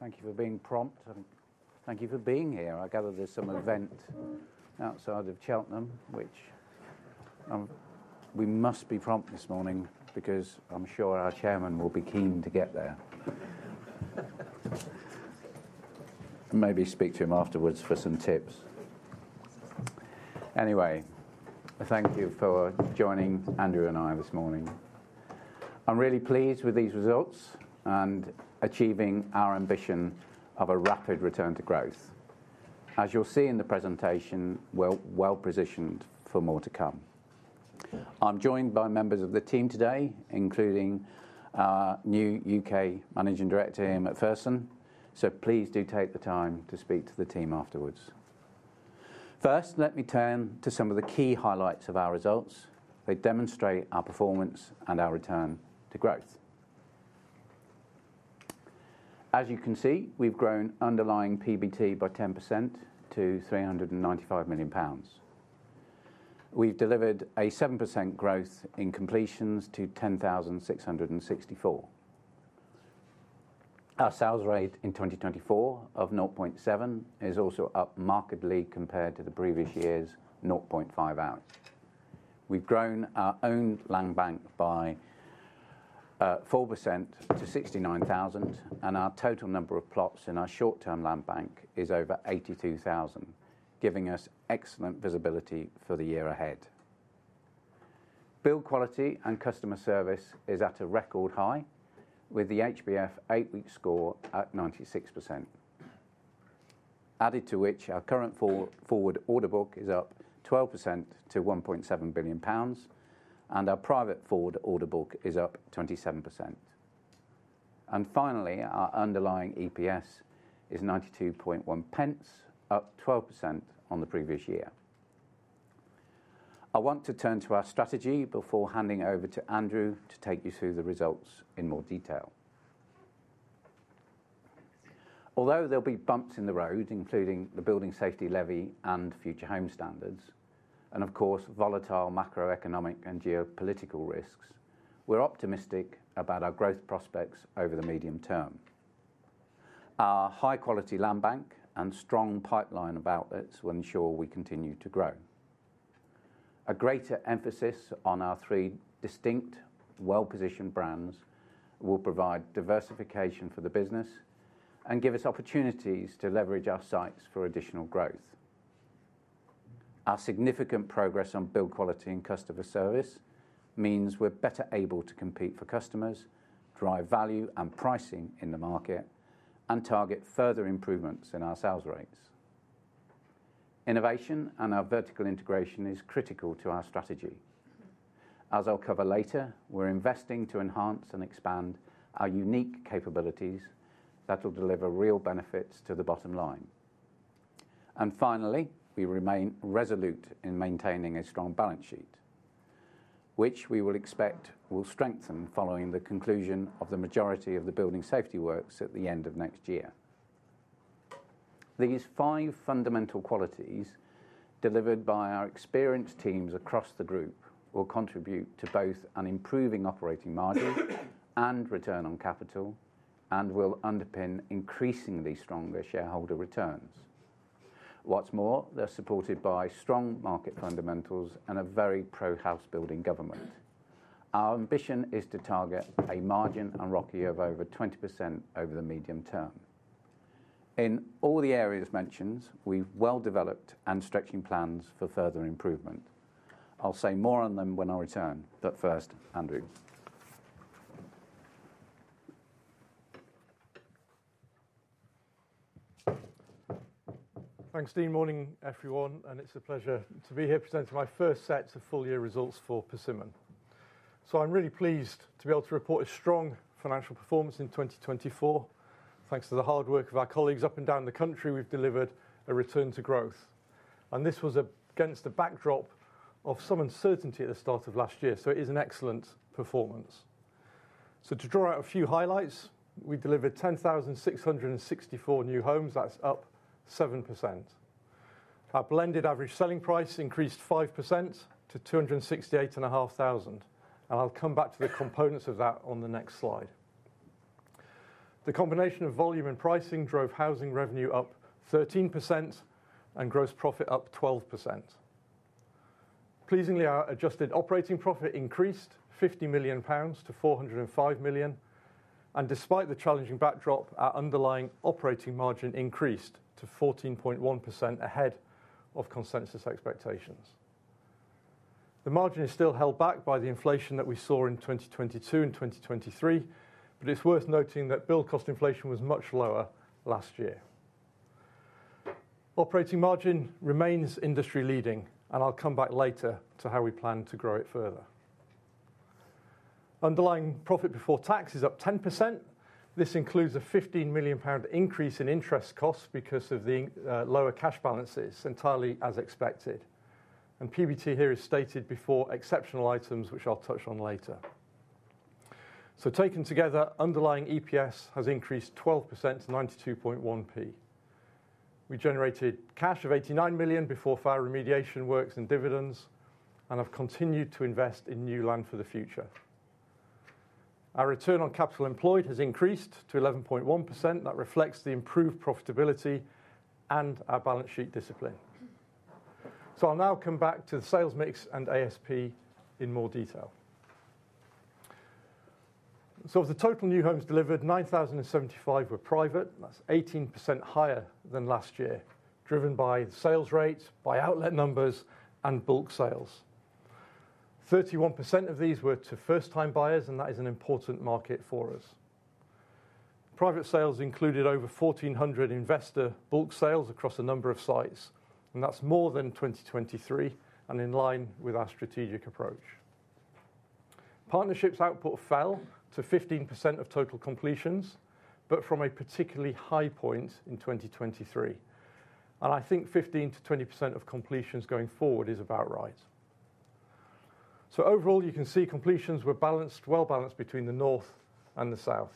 Thank you for being prompt. Thank you for being here. I gather there's some event outside of Cheltenham, which we must be prompt this morning because I'm sure our Chairman will be keen to get there. Maybe speak to him afterwards for some tips. Anyway, thank you for joining Andrew and I this morning. I'm really pleased with these results and achieving our ambition of a rapid return to growth. As you'll see in the presentation, we're well positioned for more to come. I'm joined by members of the team today, including our new UK Managing Director, Iain McPherson. Please do take the time to speak to the team afterwards. First, let me turn to some of the key highlights of our results. They demonstrate our performance and our return to growth. As you can see, we've grown underlying PBT by 10% to 395 million pounds. We've delivered a 7% growth in completions to 10,664. Our sales rate in 2024 of 0.7 is also up markedly compared to the previous year's 0.5. We've grown our own land bank by 4% to 69000, and our total number of plots in our short-term land bank is over 82000, giving us excellent visibility for the year ahead. Build quality and customer service is at a record high, with the HBF 8-week score at 96%. Added to which, our current forward order book is up 12% to GBP 1.7 billion, and our private forward order book is up 27%. Finally, our underlying EPS is 92.1 pence, up 12% on the previous year. I want to turn to our strategy before handing over to Andrew to take you through the results in more detail. Although there'll be bumps in the road, including the Building Safety Levy and Future Homes Standard, and of course, volatile macroeconomic and geopolitical risks, we're optimistic about our growth prospects over the medium term. Our high-quality land bank and strong pipeline of outlets will ensure we continue to grow. A greater emphasis on our three distinct, well-positioned brands will provide diversification for the business and give us opportunities to leverage our sites for additional growth. Our significant progress on build quality and customer service means we're better able to compete for customers, drive value and pricing in the market, and target further improvements in our sales rates. Innovation and our vertical integration is critical to our strategy. As I'll cover later, we're investing to enhance and expand our unique capabilities that will deliver real benefits to the bottom line. Finally, we remain resolute in maintaining a strong balance sheet, which we expect will strengthen following the conclusion of the majority of the building safety works at the end of next year. These five fundamental qualities delivered by our experienced teams across the group will contribute to both an improving operating margin and return on capital, and will underpin increasingly stronger shareholder returns. What's more, they're supported by strong market fundamentals and a very pro-housebuilding government. Our ambition is to target a margin and ROCE of over 20% over the medium term. In all the areas mentioned, we've well developed and stretching plans for further improvement. I'll say more on them when I return, but first, Andrew. Thanks, Dean. Morning, everyone. It's a pleasure to be here presenting my first set of full-year results for Persimmon. I'm really pleased to be able to report a strong financial performance in 2024. Thanks to the hard work of our colleagues up and down the country, we've delivered a return to growth. This was against the backdrop of some uncertainty at the start of last year. It is an excellent performance. To draw out a few highlights, we delivered 10,664 new homes. That's up 7%. Our blended average selling price increased 5% to 268,500. I'll come back to the components of that on the next slide. The combination of volume and pricing drove housing revenue up 13% and gross profit up 12%. Pleasingly, our adjusted operating profit increased 50 million pounds to 405 million. Despite the challenging backdrop, our underlying operating margin increased to 14.1% ahead of consensus expectations. The margin is still held back by the inflation that we saw in 2022 and 2023, but it's worth noting that build cost inflation was much lower last year. Operating margin remains industry leading, and I'll come back later to how we plan to grow it further. Underlying profit before tax is up 10%. This includes a 15 million pound increase in interest costs because of the lower cash balances, entirely as expected. PBT here is stated before exceptional items, which I'll touch on later. Taken together, underlying EPS has increased 12% to 92.1 pence. We generated cash of 89 million before fire remediation works and dividends and have continued to invest in new land for the future. Our return on capital employed has increased to 11.1%. That reflects the improved profitability and our balance sheet discipline. I'll now come back to the sales mix and ASP in more detail. Of the total new homes delivered, 9,075 were private. That is 18% higher than last year, driven by sales rates, by outlet numbers, and bulk sales. 31% of these were to first-time buyers, and that is an important market for us. Private sales included over 1,400 investor bulk sales across a number of sites, and that is more than 2023 and in line with our strategic approach. Partnerships output fell to 15% of total completions, from a particularly high point in 2023. I think 15% to 20% of completions going forward is about right. Overall, you can see completions were well balanced between the north and the south.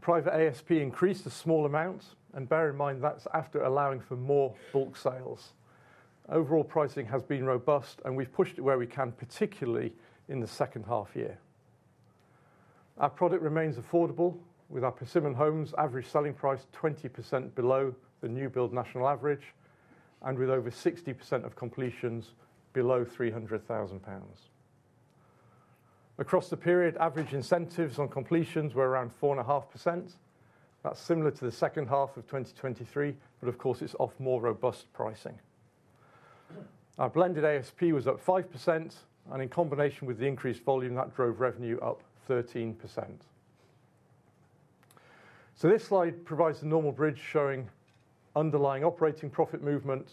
Private ASP increased a small amount, and bear in mind that's after allowing for more bulk sales. Overall pricing has been robust, and we've pushed it where we can, particularly in the second half year. Our product remains affordable with our Persimmon Homes average selling price 20% below the new build national average and with over 60% of completions below 300,000 pounds. Across the period, average incentives on completions were around 4.5%. That's similar to the second half of 2023, but of course, it's off more robust pricing. Our blended ASP was up 5%, and in combination with the increased volume, that drove revenue up 13%. This slide provides a normal bridge showing underlying operating profit movement,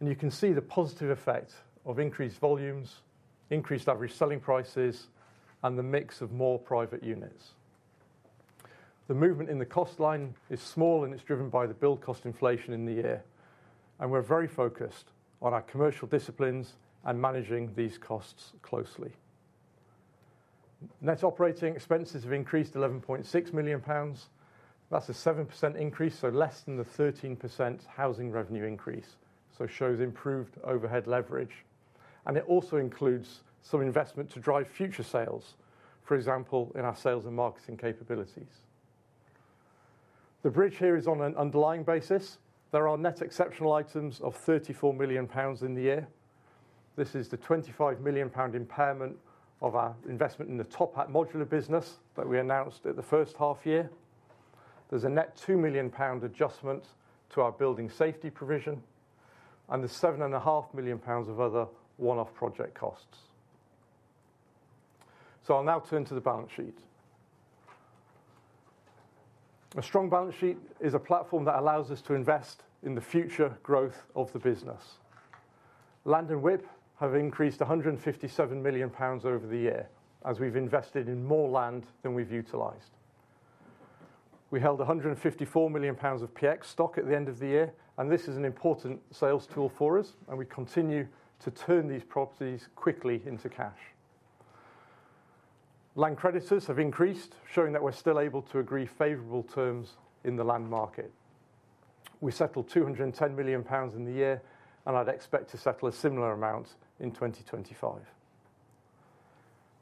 and you can see the positive effect of increased volumes, increased average selling prices, and the mix of more private units. The movement in the cost line is small, and it's driven by the build cost inflation in the year. We're very focused on our commercial disciplines and managing these costs closely. Net operating expenses have increased 11.6 million pounds. That's a 7% increase, less than the 13% housing revenue increase. It shows improved overhead leverage. It also includes some investment to drive future sales, for example, in our sales and marketing capabilities. The bridge here is on an underlying basis. There are net exceptional items of 34 million pounds in the year. This is the 25 million pound impairment of our investment in the TopHat modular business that we announced at the first half year. There's a net 2 million pound adjustment to our building safety provision and the 7.5 million pounds of other one-off project costs. I'll now turn to the balance sheet. A strong balance sheet is a platform that allows us to invest in the future growth of the business. Land and WIP have increased 157 million pounds over the year as we've invested in more land than we've utilized. We held 154 million pounds of PX stock at the end of the year, and this is an important sales tool for us, and we continue to turn these properties quickly into cash. Land creditors have increased, showing that we're still able to agree favorable terms in the land market. We settled 210 million pounds in the year, and I'd expect to settle a similar amount in 2025.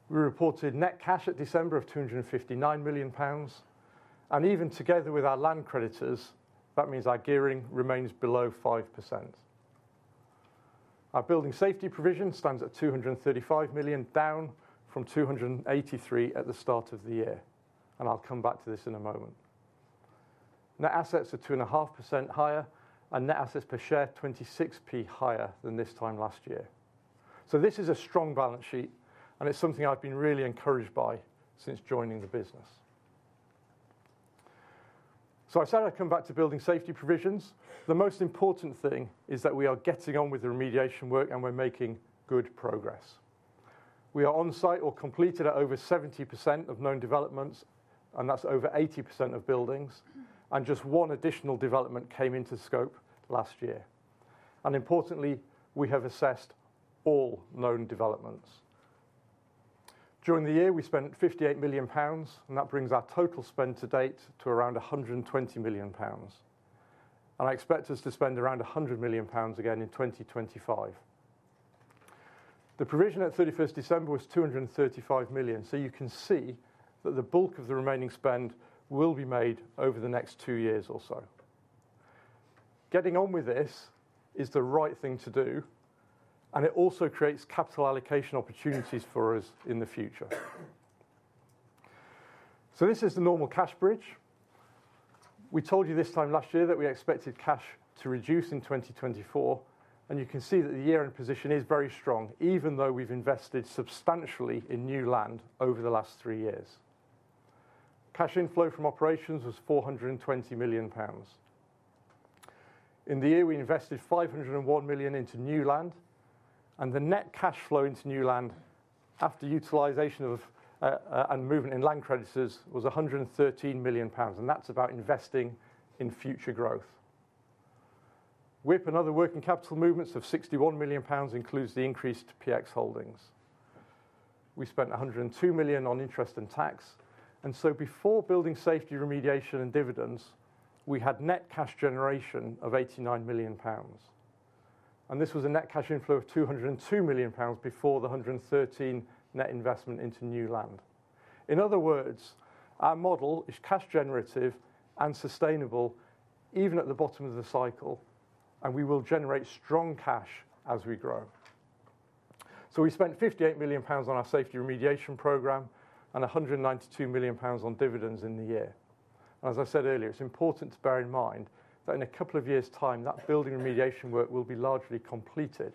We reported net cash at December of 259 million pounds. Even together with our land creditors, that means our gearing remains below 5%. Our building safety provision stands at 235 million, down from 283 million at the start of the year. I'll come back to this in a moment. Net assets are 2.5% higher, and net assets per share, 26 pence higher than this time last year. This is a strong balance sheet, and it's something I've been really encouraged by since joining the business. I said I'd come back to building safety provisions. The most important thing is that we are getting on with the remediation work, and we're making good progress. We are on site or completed at over 70% of known developments, and that's over 80% of buildings. Just one additional development came into scope last year. Importantly, we have assessed all known developments. During the year, we spent 58 million pounds, and that brings our total spend to date to around 120 million pounds. I expect us to spend around 100 million pounds again in 2025. The provision at 31st December was 235 million. You can see that the bulk of the remaining spend will be made over the next two years or so. Getting on with this is the right thing to do, and it also creates capital allocation opportunities for us in the future. This is the normal cash bridge. We told you this time last year that we expected cash to reduce in 2024, and you can see that the year-end position is very strong, even though we have invested substantially in new land over the last three years. Cash inflow from operations was 420 million pounds. In the year, we invested 501 million into new land, and the net cash flow into new land after utilization of and movement in land creditors was 113 million pounds. That is about investing in future growth. WIP and other working capital movements of 61 million pounds includes the increased PX holdings. We spent 102 million on interest and tax. Before building safety remediation and dividends, we had net cash generation of 89 million pounds. This was a net cash inflow of 202 million pounds before the 113 million net investment into new land. In other words, our model is cash generative and sustainable even at the bottom of the cycle, and we will generate strong cash as we grow. We spent 58 million pounds on our safety remediation program and 192 million pounds on dividends in the year. As I said earlier, it is important to bear in mind that in a couple of years' time, that building remediation work will be largely completed.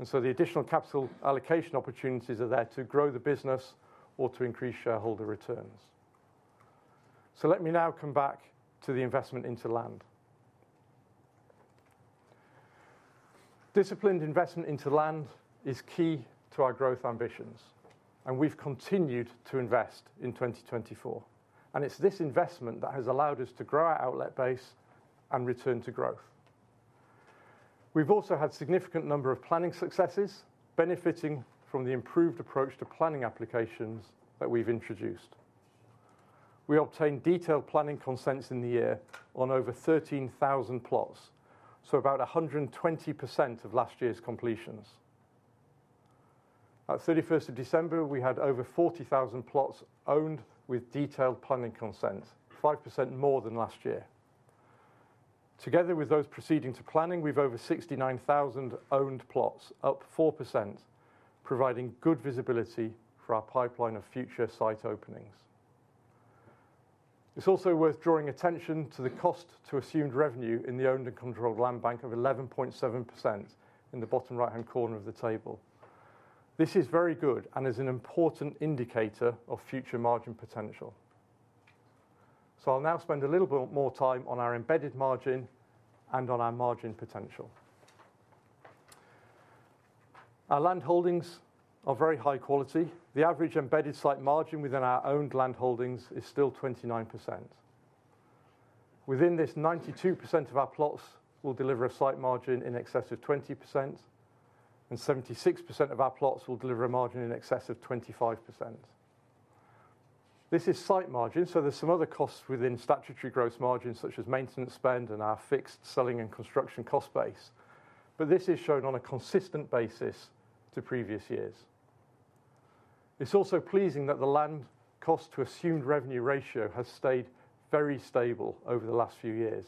The additional capital allocation opportunities are there to grow the business or to increase shareholder returns. Let me now come back to the investment into land. Disciplined investment into land is key to our growth ambitions, and we have continued to invest in 2024. It is this investment that has allowed us to grow our outlet base and return to growth. We have also had a significant number of planning successes benefiting from the improved approach to planning applications that we have introduced. We obtained detailed planning consents in the year on over 13,000 plots, so about 120% of last year's completions. At 31 st of December, we had over 40,000 plots owned with detailed planning consent, 5% more than last year. Together with those proceeding to planning, we have over 69,000 owned plots, up 4%, providing good visibility for our pipeline of future site openings. It is also worth drawing attention to the cost to assumed revenue in the owned and controlled land bank of 11.7% in the bottom right-hand corner of the table. This is very good and is an important indicator of future margin potential. I'll now spend a little bit more time on our embedded margin and on our margin potential. Our land holdings are very high quality. The average embedded site margin within our owned land holdings is still 29%. Within this, 92% of our plots will deliver a site margin in excess of 20%, and 76% of our plots will deliver a margin in excess of 25%. This is site margin, so there are some other costs within statutory gross margin, such as maintenance spend and our fixed selling and construction cost base. This is shown on a consistent basis to previous years. It is also pleasing that the land cost to assumed revenue ratio has stayed very stable over the last few years,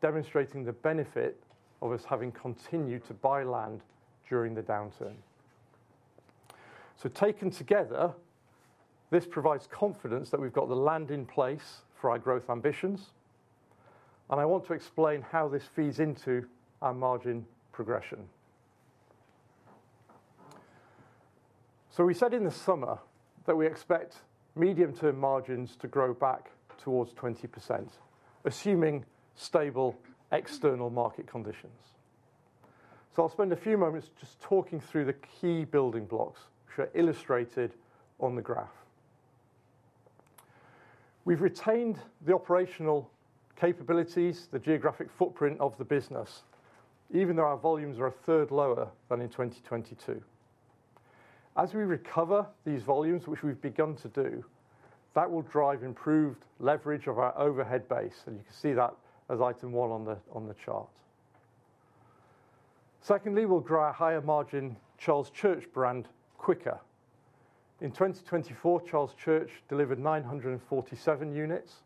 demonstrating the benefit of us having continued to buy land during the downturn. Taken together, this provides confidence that we've got the land in place for our growth ambitions. I want to explain how this feeds into our margin progression. We said in the summer that we expect medium-term margins to grow back towards 20%, assuming stable external market conditions. I'll spend a few moments just talking through the key building blocks, which are illustrated on the graph. We've retained the operational capabilities, the geographic footprint of the business, even though our volumes are a third lower than in 2022. As we recover these volumes, which we've begun to do, that will drive improved leverage of our overhead base. You can see that as item one on the chart. Secondly, we'll grow our higher margin Charles Church brand quicker. In 2024, Charles Church delivered 947 units,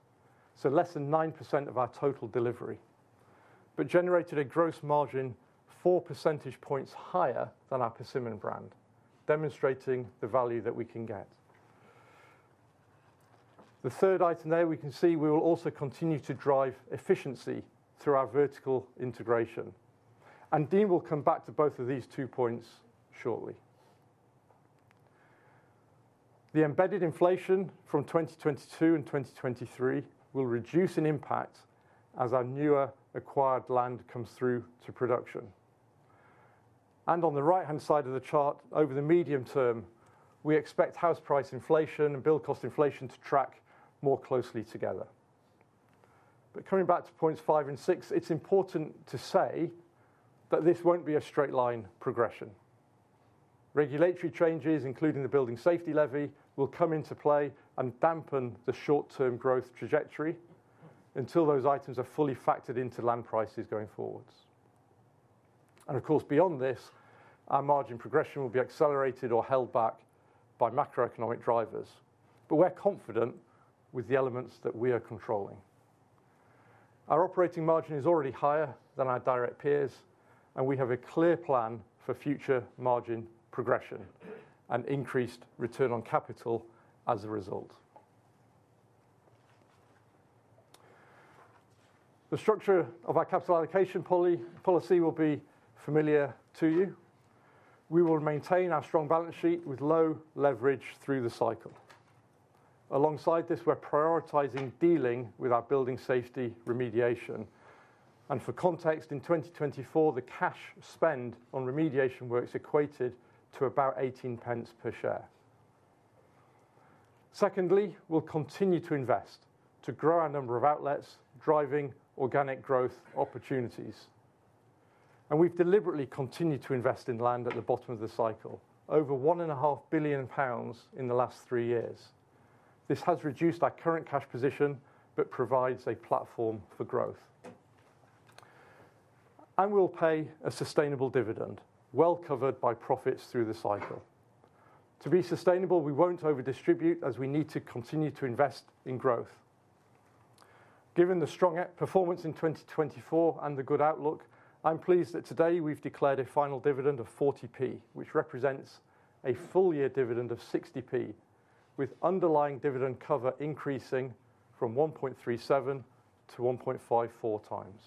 so less than 9% of our total delivery, but generated a gross margin 4 percentage points higher than our Persimmon brand, demonstrating the value that we can get. The third item there we can see we will also continue to drive efficiency through our vertical integration. Dean will come back to both of these two points shortly. The embedded inflation from 2022 and 2023 will reduce in impact as our newer acquired land comes through to production. On the right-hand side of the chart, over the medium term, we expect house price inflation and build cost inflation to track more closely together. Coming back to points five and six, it's important to say that this won't be a straight line progression. Regulatory changes, including the Building Safety Levy, will come into play and dampen the short-term growth trajectory until those items are fully factored into land prices going forwards. Of course, beyond this, our margin progression will be accelerated or held back by macroeconomic drivers. We are confident with the elements that we are controlling. Our operating margin is already higher than our direct peers, and we have a clear plan for future margin progression and increased return on capital as a result. The structure of our capital allocation policy will be familiar to you. We will maintain our strong balance sheet with low leverage through the cycle. Alongside this, we are prioritizing dealing with our building safety remediation. For context, in 2024, the cash spend on remediation works equated to about 0.18 per share. Secondly, we will continue to invest to grow our number of outlets driving organic growth opportunities. We have deliberately continued to invest in land at the bottom of the cycle, over 1.5 billion in the last three years. This has reduced our current cash position but provides a platform for growth. We will pay a sustainable dividend, well covered by profits through the cycle. To be sustainable, we will not over-distribute as we need to continue to invest in growth. Given the strong performance in 2024 and the good outlook, I am pleased that today we have declared a final dividend of 0.40, which represents a full year dividend of 0.60, with underlying dividend cover increasing from 1.37 to 1.54 times.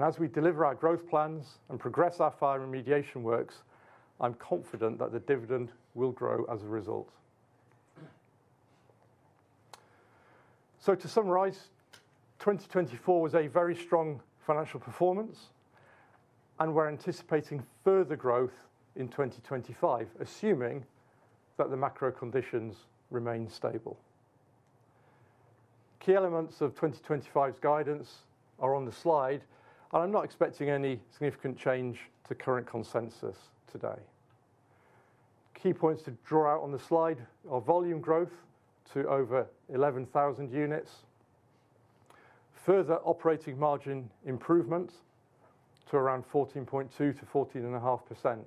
As we deliver our growth plans and progress our fire remediation works, I am confident that the dividend will grow as a result. To summarize, 2024 was a very strong financial performance, and we are anticipating further growth in 2025, assuming that the macro conditions remain stable. Key elements of 2025's guidance are on the slide, and I'm not expecting any significant change to current consensus today. Key points to draw out on the slide are volume growth to over 11,000 units, further operating margin improvement to around 14.2% to 14.5%.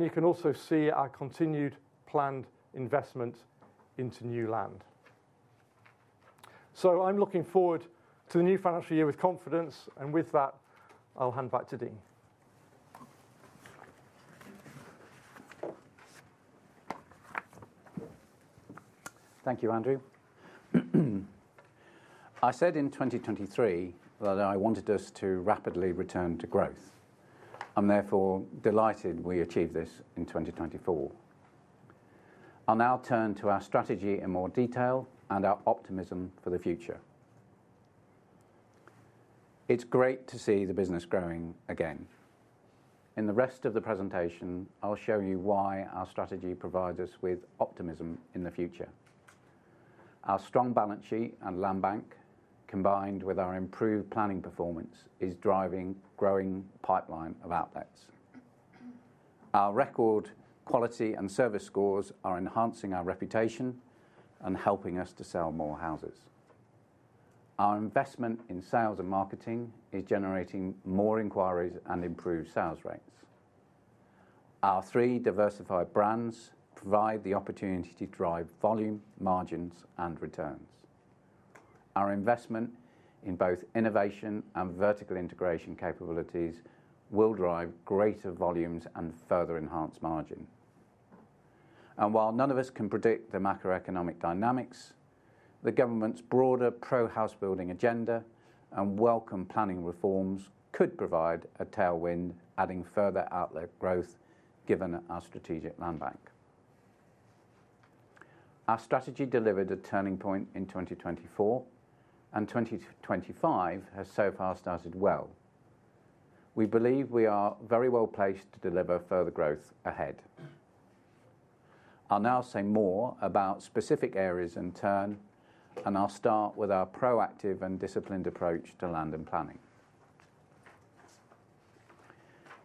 You can also see our continued planned investment into new land. I'm looking forward to the new financial year with confidence, and with that, I'll hand back to Dean. Thank you, Andrew. I said in 2023 that I wanted us to rapidly return to growth. I'm therefore delighted we achieved this in 2024. I'll now turn to our strategy in more detail and our optimism for the future. It's great to see the business growing again. In the rest of the presentation, I'll show you why our strategy provides us with optimism in the future. Our strong balance sheet and land bank, combined with our improved planning performance, is driving a growing pipeline of outlets. Our record quality and service scores are enhancing our reputation and helping us to sell more houses. Our investment in sales and marketing is generating more inquiries and improved sales rates. Our three diversified brands provide the opportunity to drive volume, margins, and returns. Our investment in both innovation and vertical integration capabilities will drive greater volumes and further enhance margin. While none of us can predict the macroeconomic dynamics, the government's broader pro-house building agenda and welcome planning reforms could provide a tailwind, adding further outlet growth given our strategic land bank. Our strategy delivered a turning point in 2024, and 2025 has so far started well. We believe we are very well placed to deliver further growth ahead. I'll now say more about specific areas in turn, and I'll start with our proactive and disciplined approach to land and planning.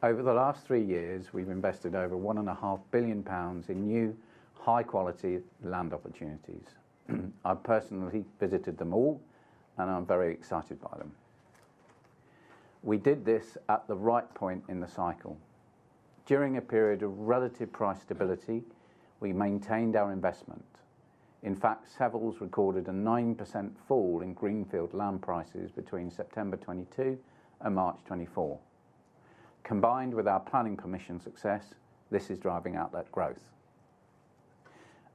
Over the last three years, we've invested over 1.5 billion pounds in new, high-quality land opportunities. I've personally visited them all, and I'm very excited by them. We did this at the right point in the cycle. During a period of relative price stability, we maintained our investment. In fact, Savills recorded a 9% fall in greenfield land prices between September 2022 and March 2024. Combined with our planning permission success, this is driving outlet growth.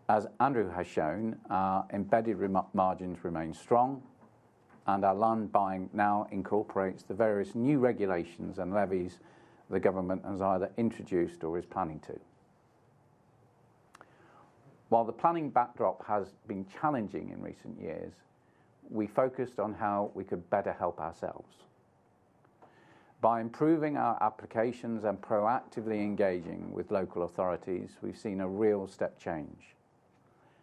As Andrew has shown, our embedded margins remain strong, and our land buying now incorporates the various new regulations and levies the government has either introduced or is planning to. While the planning backdrop has been challenging in recent years, we focused on how we could better help ourselves. By improving our applications and proactively engaging with local authorities, we've seen a real step change.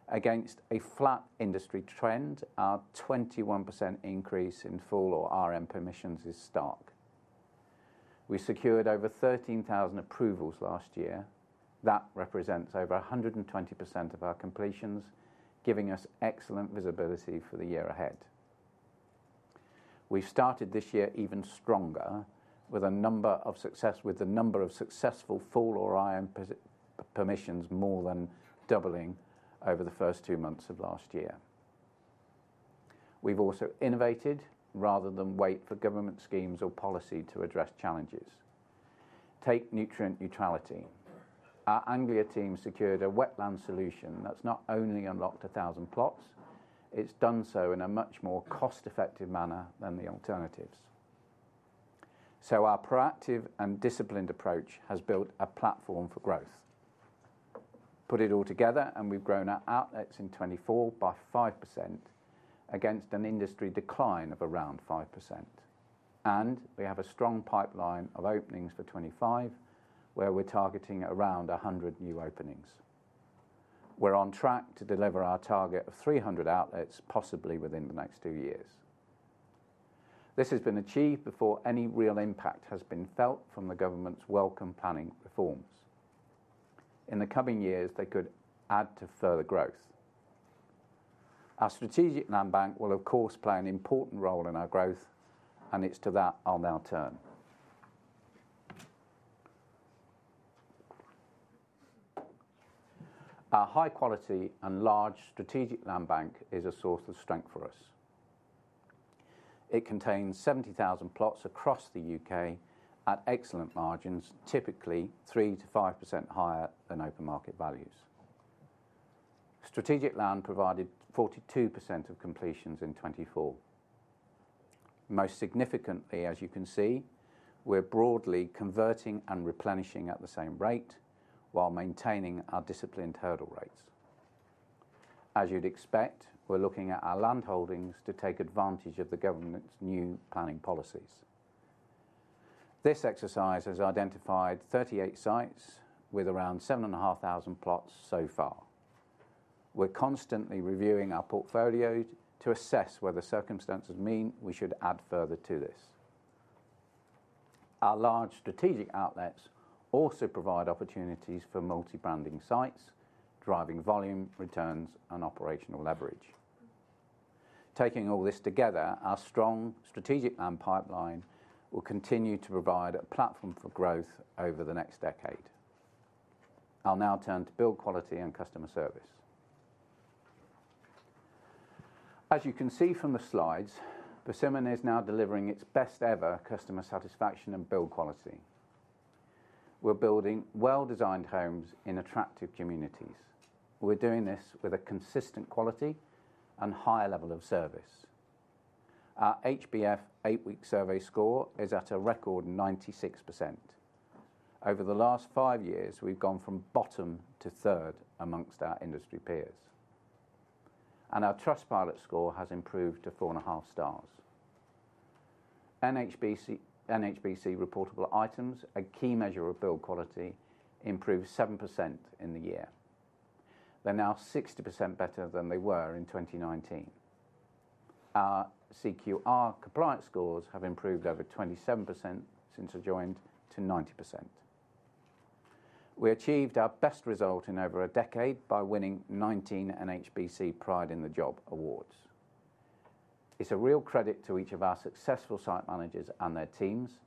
Against a flat industry trend, our 21% increase in full or RM permissions is stark. We secured over 13,000 approvals last year. That represents over 120% of our completions, giving us excellent visibility for the year ahead. We've started this year even stronger with a number of successful full or RM permissions more than doubling over the first two months of last year. We've also innovated rather than wait for government schemes or policy to address challenges. Take nutrient neutrality. Our Anglia team secured a wetland solution that's not only unlocked 1,000 plots, it's done so in a much more cost-effective manner than the alternatives. Our proactive and disciplined approach has built a platform for growth. Put it all together, and we've grown our outlets in 2024 by 5% against an industry decline of around 5%. We have a strong pipeline of openings for 2025, where we're targeting around 100 new openings. We're on track to deliver our target of 300 outlets, possibly within the next two years. This has been achieved before any real impact has been felt from the government's welcome planning reforms. In the coming years, they could add to further growth. Our strategic land bank will, of course, play an important role in our growth, and it's to that I'll now turn. Our high-quality and large strategic land bank is a source of strength for us. It contains 70,000 plots across the UK at excellent margins, typically 3% to 5% higher than open market values. Strategic land provided 42% of completions in 2024. Most significantly, as you can see, we're broadly converting and replenishing at the same rate while maintaining our disciplined hurdle rates. As you'd expect, we're looking at our land holdings to take advantage of the government's new planning policies. This exercise has identified 38 sites with around 7,500 plots so far. We're constantly reviewing our portfolio to assess whether circumstances mean we should add further to this. Our large strategic outlets also provide opportunities for multi-branding sites, driving volume, returns, and operational leverage. Taking all this together, our strong strategic land pipeline will continue to provide a platform for growth over the next decade. I'll now turn to build quality and customer service. As you can see from the slides, Persimmon is now delivering its best-ever customer satisfaction and build quality. We're building well-designed homes in attractive communities. We're doing this with a consistent quality and high level of service. Our HBF eight-week survey score is at a record 96%. Over the last five years, we've gone from bottom to third amongst our industry peers. Our Trustpilot score has improved to four and a half stars. NHBC reportable items, a key measure of build quality, improved 7% in the year. They're now 60% better than they were in 2019. Our CQR compliance scores have improved over 27% since I joined to 90%. We achieved our best result in over a decade by winning 19 NHBC Pride in the Job Awards. It's a real credit to each of our successful site managers and their teams,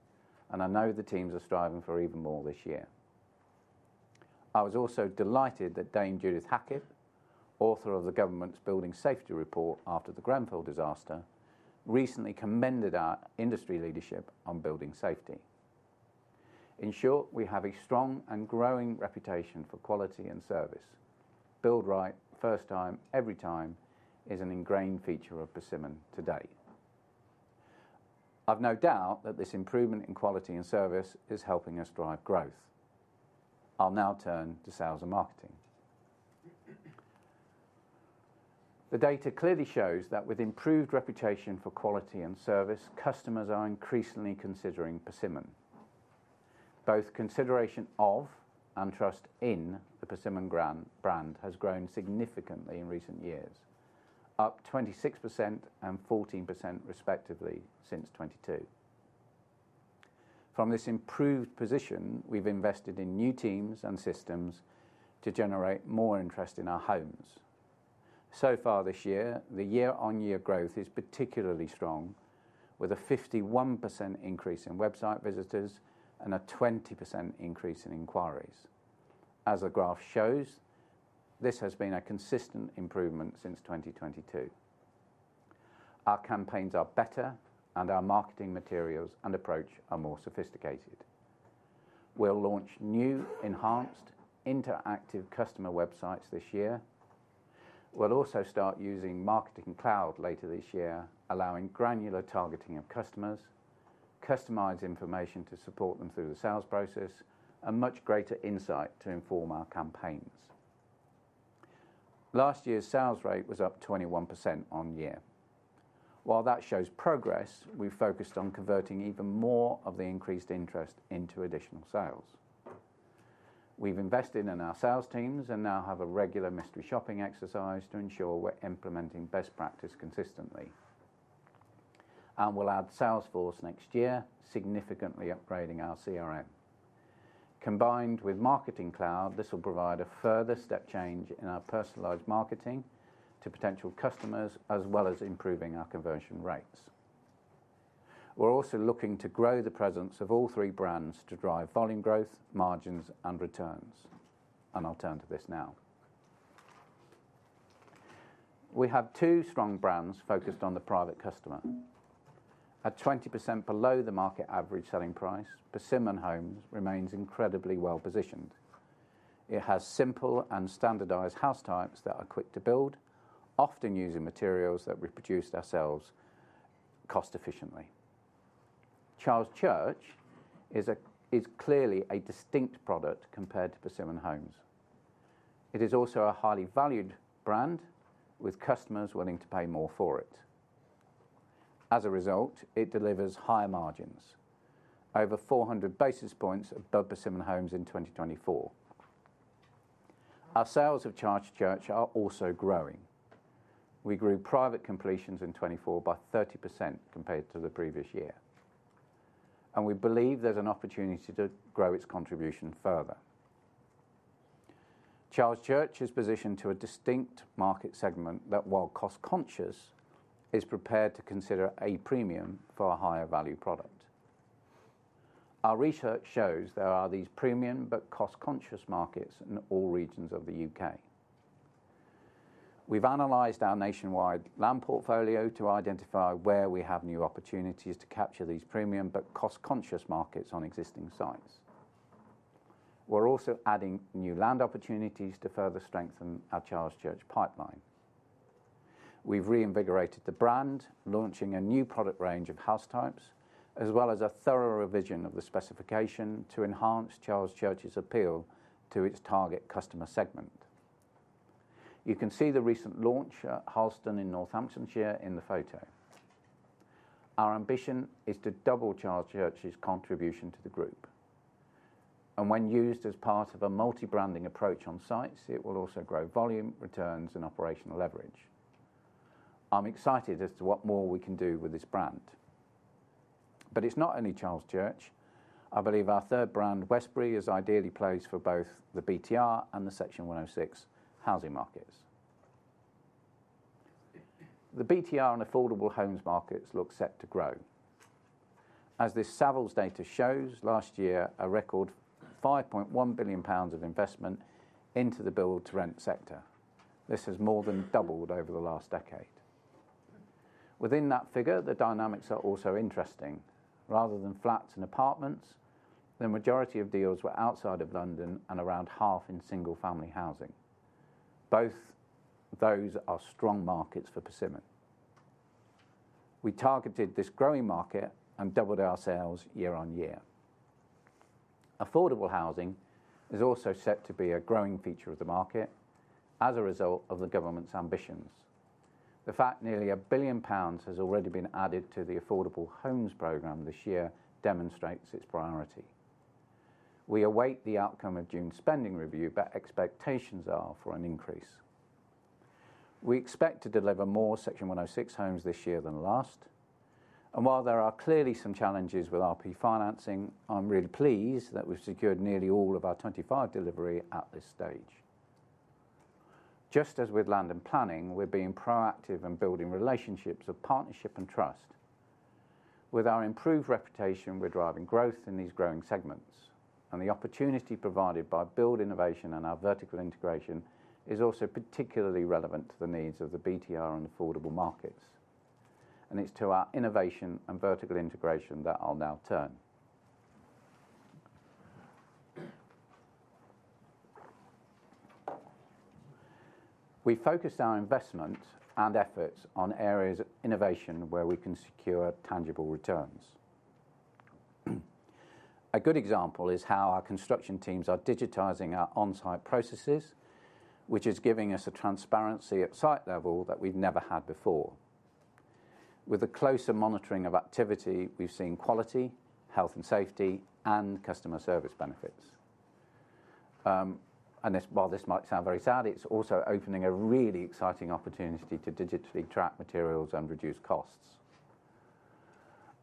and I know the teams are striving for even more this year. I was also delighted that Dame Judith Hackitt, author of the government's Building Safety Report after the Grenfell disaster, recently commended our industry leadership on building safety. In short, we have a strong and growing reputation for quality and service. Build right, first time, every time is an ingrained feature of Persimmon to date. I've no doubt that this improvement in quality and service is helping us drive growth. I'll now turn to sales and marketing. The data clearly shows that with improved reputation for quality and service, customers are increasingly considering Persimmon. Both consideration of and trust in the Persimmon brand has grown significantly in recent years, up 26% and 14% respectively since 2022. From this improved position, we've invested in new teams and systems to generate more interest in our homes. So far this year, the year-on-year growth is particularly strong, with a 51% increase in website visitors and a 20% increase in inquiries. As the graph shows, this has been a consistent improvement since 2022. Our campaigns are better, and our marketing materials and approach are more sophisticated. We'll launch new, enhanced, interactive customer websites this year. We'll also start using Marketing Cloud later this year, allowing granular targeting of customers, customised information to support them through the sales process, and much greater insight to inform our campaigns. Last year's sales rate was up 21% on year. While that shows progress, we've focused on converting even more of the increased interest into additional sales. We've invested in our sales teams and now have a regular mystery shopping exercise to ensure we're implementing best practice consistently. We'll add Salesforce next year, significantly upgrading our CRM. Combined with Marketing Cloud, this will provide a further step change in our personalised marketing to potential customers, as well as improving our conversion rates. We're also looking to grow the presence of all three brands to drive volume growth, margins, and returns. I'll turn to this now. We have two strong brands focused on the private customer. At 20% below the market average selling price, Persimmon Homes remains incredibly well positioned. It has simple and standardized house types that are quick to build, often using materials that we've produced ourselves cost-efficiently. Charles Church is clearly a distinct product compared to Persimmon Homes. It is also a highly valued brand with customers willing to pay more for it. As a result, it delivers higher margins, over 400 basis points above Persimmon Homes in 2024. Our sales of Charles Church are also growing. We grew private completions in 2024 by 30% compared to the previous year. We believe there's an opportunity to grow its contribution further. Charles Church is positioned to a distinct market segment that, while cost-conscious, is prepared to consider a premium for a higher value product. Our research shows there are these premium but cost-conscious markets in all regions of the UK. We've analyzed our nationwide land portfolio to identify where we have new opportunities to capture these premium but cost-conscious markets on existing sites. We're also adding new land opportunities to further strengthen our Charles Church pipeline. We've reinvigorated the brand, launching a new product range of house types, as well as a thorough revision of the specification to enhance Charles Church's appeal to its target customer segment. You can see the recent launch at Harlestone in Northamptonshire in the photo. Our ambition is to double Charles Church's contribution to the group. When used as part of a multi-branding approach on sites, it will also grow volume, returns, and operational leverage. I'm excited as to what more we can do with this brand. It is not only Charles Church. I believe our third brand, Westbury, is ideally placed for both the BTR and the Section 106 housing markets. The BTR and affordable homes markets look set to grow. As this Savills data shows, last year, a record 5.1 billion pounds of investment into the Build to Rent sector. This has more than doubled over the last decade. Within that figure, the dynamics are also interesting. Rather than flats and apartments, the majority of deals were outside of London and around half in single-family housing. Both those are strong markets for Persimmon. We targeted this growing market and doubled our sales year-on-year. Affordable housing is also set to be a growing feature of the market as a result of the government's ambitions. The fact nearly 1 billion pounds has already been added to the Affordable Homes Programme this year demonstrates its priority. We await the outcome of June's spending review, but expectations are for an increase. We expect to deliver more Section 106 homes this year than last. While there are clearly some challenges with RP financing, I'm really pleased that we've secured nearly all of our 25 delivery at this stage. Just as with land and planning, we're being proactive and building relationships of partnership and trust. With our improved reputation, we're driving growth in these growing segments. The opportunity provided by build innovation and our vertical integration is also particularly relevant to the needs of the BTR and affordable markets. It's to our innovation and vertical integration that I'll now turn. We've focused our investment and efforts on areas of innovation where we can secure tangible returns. A good example is how our construction teams are digitizing our on-site processes, which is giving us a transparency at site level that we've never had before. With a closer monitoring of activity, we've seen quality, health and safety, and customer service benefits. While this might sound very sad, it's also opening a really exciting opportunity to digitally track materials and reduce costs.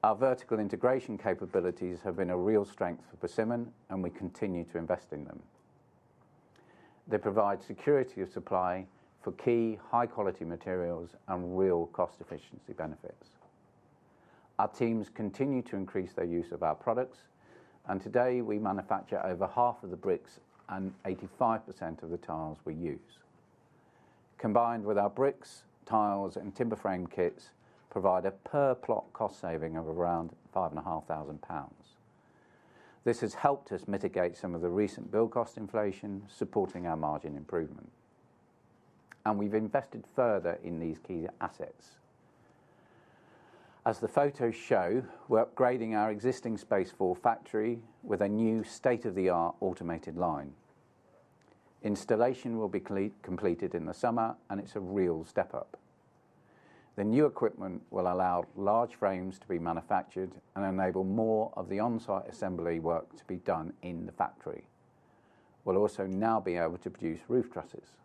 Our vertical integration capabilities have been a real strength for Persimmon, and we continue to invest in them. They provide security of supply for key high-quality materials and real cost-efficiency benefits. Our teams continue to increase their use of our products, and today we manufacture over half of the bricks and 85% of the tiles we use. Combined with our bricks, tiles, and timber frame kits, provide a per-plot cost saving of around 5,500 pounds. This has helped us mitigate some of the recent build cost inflation, supporting our margin improvement. We have invested further in these key assets. As the photos show, we are upgrading our existing Space4 factory with a new state-of-the-art automated line. Installation will be completed in the summer, and it is a real step up. The new equipment will allow large frames to be manufactured and enable more of the on-site assembly work to be done in the factory. We will also now be able to produce roof trusses.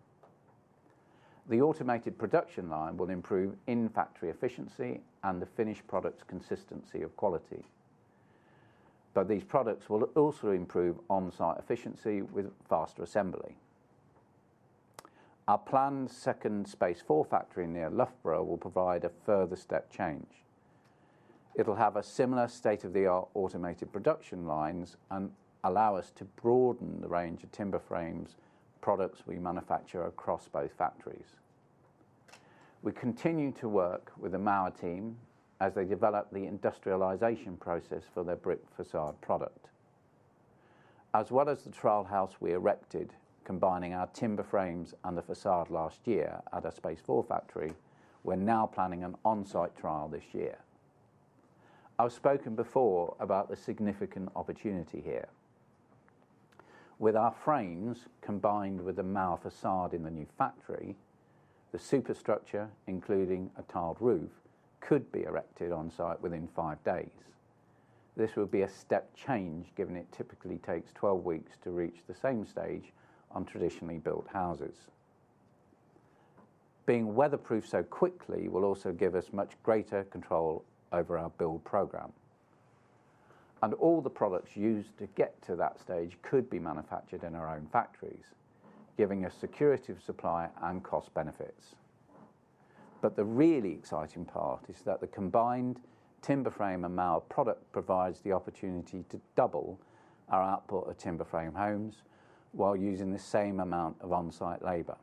The automated production line will improve in-factory efficiency and the finished product's consistency of quality. These products will also improve on-site efficiency with faster assembly. Our planned second Space4 factory near Loughborough will provide a further step change. It'll have a similar state-of-the-art automated production lines and allow us to broaden the range of timber frame products we manufacture across both factories. We continue to work with the Mauer team as they develop the industrialization process for their brick facade product. As well as the trial house we erected, combining our timber frames and the facade last year at our Space4 factory, we're now planning an on-site trial this year. I've spoken before about the significant opportunity here. With our frames combined with the Mauer facade in the new factory, the superstructure, including a tiled roof, could be erected on-site within five days. This will be a step change, given it typically takes 12 weeks to reach the same stage on traditionally built houses. Being weatherproof so quickly will also give us much greater control over our build program. All the products used to get to that stage could be manufactured in our own factories, giving us security of supply and cost benefits. The really exciting part is that the combined timber frame and Mauer product provides the opportunity to double our output of timber frame homes while using the same amount of on-site labor.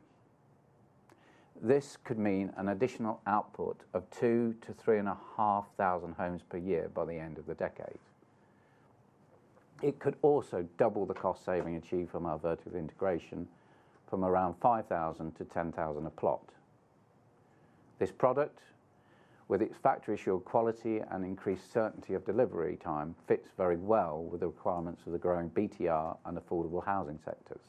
This could mean an additional output of 2,000 to 3,500 homes per year by the end of the decade. It could also double the cost saving achieved from our vertical integration from around 5,000 to 10,000 a plot. This product, with its factory-assured quality and increased certainty of delivery time, fits very well with the requirements of the growing BTR and affordable housing sectors.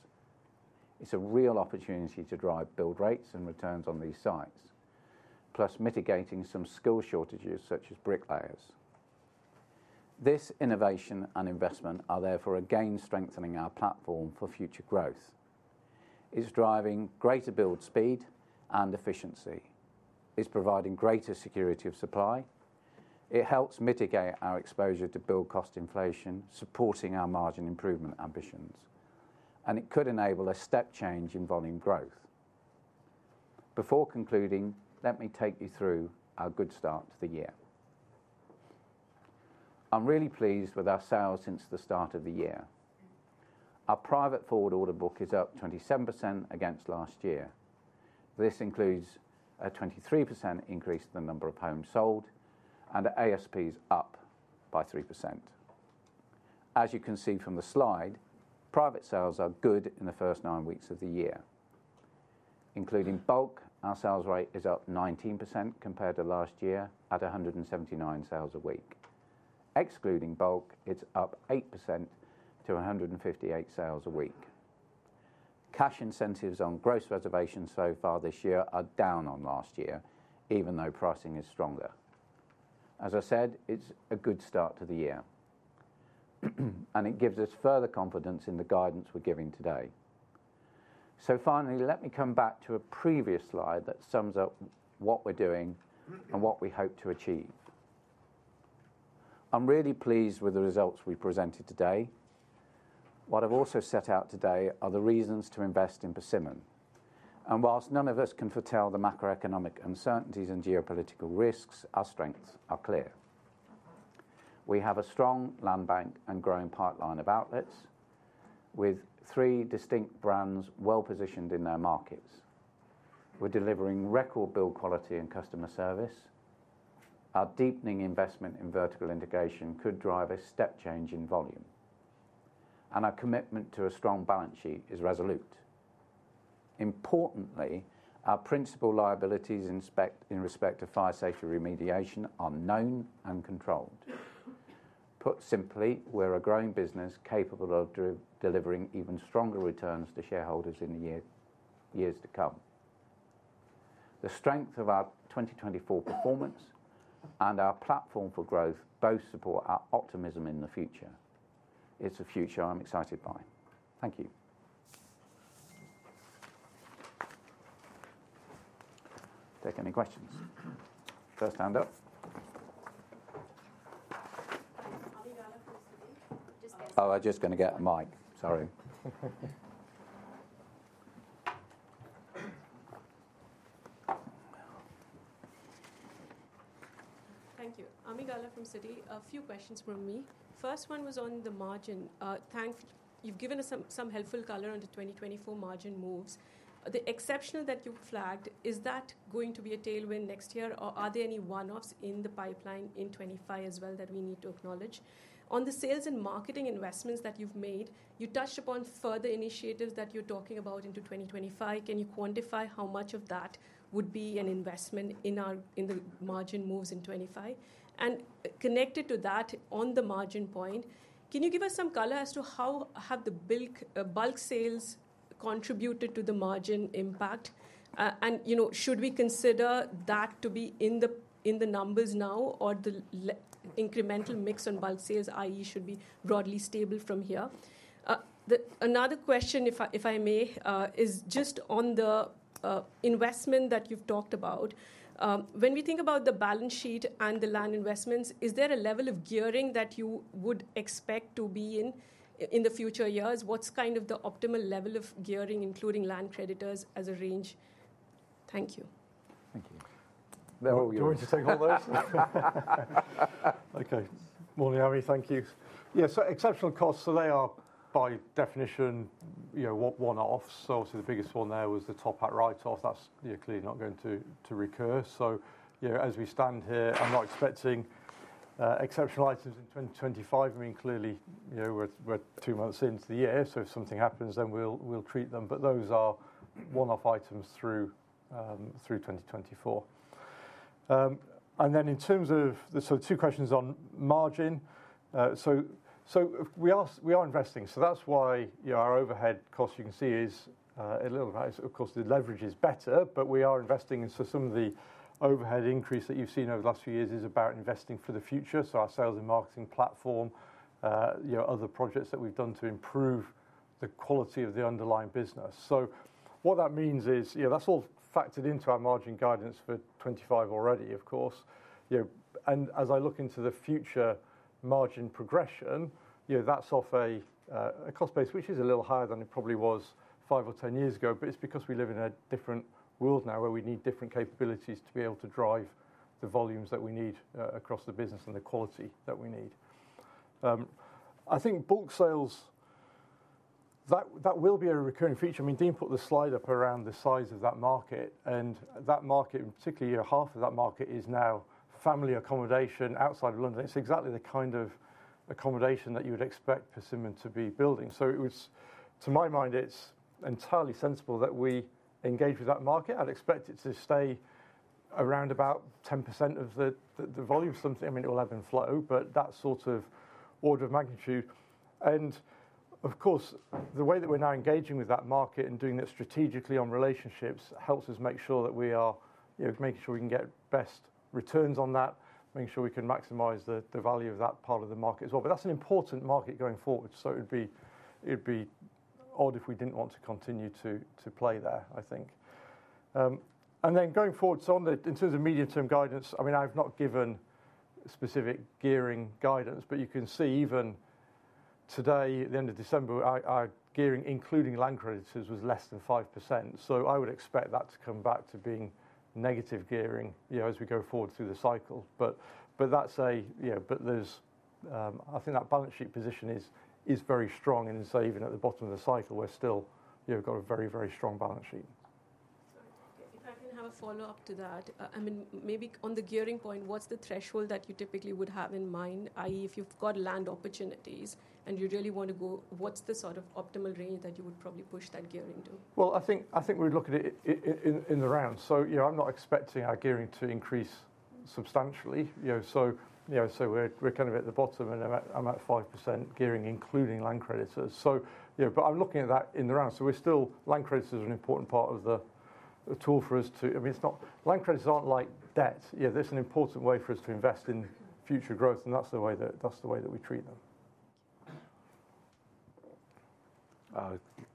It is a real opportunity to drive build rates and returns on these sites, plus mitigating some skill shortages such as bricklayers. This innovation and investment are therefore again strengthening our platform for future growth. It's driving greater build speed and efficiency. It's providing greater security of supply. It helps mitigate our exposure to build cost inflation, supporting our margin improvement ambitions. It could enable a step change in volume growth. Before concluding, let me take you through our good start to the year. I'm really pleased with our sales since the start of the year. Our private forward order book is up 27% against last year. This includes a 23% increase in the number of homes sold and ASPs up by 3%. As you can see from the slide, private sales are good in the first nine weeks of the year. Including bulk, our sales rate is up 19% compared to last year at 179 sales a week. Excluding bulk, it's up 8% to 158 sales a week. Cash incentives on gross reservations so far this year are down on last year, even though pricing is stronger. As I said, it's a good start to the year. It gives us further confidence in the guidance we're giving today. Finally, let me come back to a previous slide that sums up what we're doing and what we hope to achieve. I'm really pleased with the results we've presented today. What I've also set out today are the reasons to invest in Persimmon. Whilst none of us can foretell the macroeconomic uncertainties and geopolitical risks, our strengths are clear. We have a strong land bank and growing pipeline of outlets with three distinct brands well positioned in their markets. We're delivering record build quality and customer service. Our deepening investment in vertical integration could drive a step change in volume. Our commitment to a strong balance sheet is resolute. Importantly, our principal liabilities in respect of fire safety remediation are known and controlled. Put simply, we're a growing business capable of delivering even stronger returns to shareholders in the years to come. The strength of our 2024 performance and our platform for growth both support our optimism in the future. It's a future I'm excited by. Thank you. Take any questions. First hand up. Oh, I'm just going to get a mic. Sorry. Thank you. Ami Galla from Citi. A few questions from me. First one was on the margin. You've given us some helpful color on the 2024 margin moves. The exception that you've flagged, is that going to be a tailwind next year, or are there any one-offs in the pipeline in 2025 as well that we need to acknowledge? On the sales and marketing investments that you've made, you touched upon further initiatives that you're talking about into 2025. Can you quantify how much of that would be an investment in the margin moves in 2025? Connected to that, on the margin point, can you give us some color as to how have the bulk sales contributed to the margin impact? Should we consider that to be in the numbers now, or the incremental mix on bulk sales, i.e., should be broadly stable from here? Another question, if I may, is just on the investment that you've talked about. When we think about the balance sheet and the land investments, is there a level of gearing that you would expect to be in in the future years? What's kind of the optimal level of gearing, including land creditors as a range? Thank you. Thank you. Do you want to take all those? Okay. Ami, thank you. Yeah, so exceptional costs, so they are by definition one-offs. Obviously, the biggest one there was the TopHat write-off. That's clearly not going to recur. As we stand here, I'm not expecting exceptional items in 2025. I mean, clearly, we're two months into the year, so if something happens, then we'll treat them. Those are one-off items through 2024. In terms of the sort of two questions on margin, we are investing, so that's why our overhead cost, you can see, is a little of course, the leverage is better, but we are investing. Some of the overhead increase that you've seen over the last few years is about investing for the future. Our sales and marketing platform, other projects that we've done to improve the quality of the underlying business. What that means is that's all factored into our margin guidance for 2025 already, of course. As I look into the future margin progression, that's off a cost base, which is a little higher than it probably was five or ten years ago, but it's because we live in a different world now where we need different capabilities to be able to drive the volumes that we need across the business and the quality that we need. I think bulk sales, that will be a recurring feature. I mean, Dean put the slide up around the size of that market, and that market, and particularly half of that market, is now family accommodation outside of London. It's exactly the kind of accommodation that you would expect Persimmon to be building. To my mind, it's entirely sensible that we engage with that market and expect it to stay around about 10% of the volume. I mean, it will ebb and flow, but that sort of order of magnitude. Of course, the way that we're now engaging with that market and doing that strategically on relationships helps us make sure that we are making sure we can get best returns on that, making sure we can maximize the value of that part of the market as well. That's an important market going forward, so it would be odd if we didn't want to continue to play there, I think. Going forward, in terms of medium-term guidance, I mean, I've not given specific gearing guidance, but you can see even today, at the end of December, our gearing, including land creditors, was less than 5%. I would expect that to come back to being negative gearing as we go forward through the cycle. There is, I think, that balance sheet position is very strong. Even at the bottom of the cycle, we've still got a very, very strong balance sheet. If I can have a follow-up to that, I mean, maybe on the gearing point, what's the threshold that you typically would have in mind, i.e., if you've got land opportunities and you really want to go, what's the sort of optimal range that you would probably push that gearing to? I think we'd look at it in the round. I'm not expecting our gearing to increase substantially. We're kind of at the bottom, and I'm at 5% gearing, including land creditors. I'm looking at that in the round. We're still, land creditors are an important part of the tool for us to, I mean, it's not, land creditors aren't like debt. There's an important way for us to invest in future growth, and that's the way that we treat them.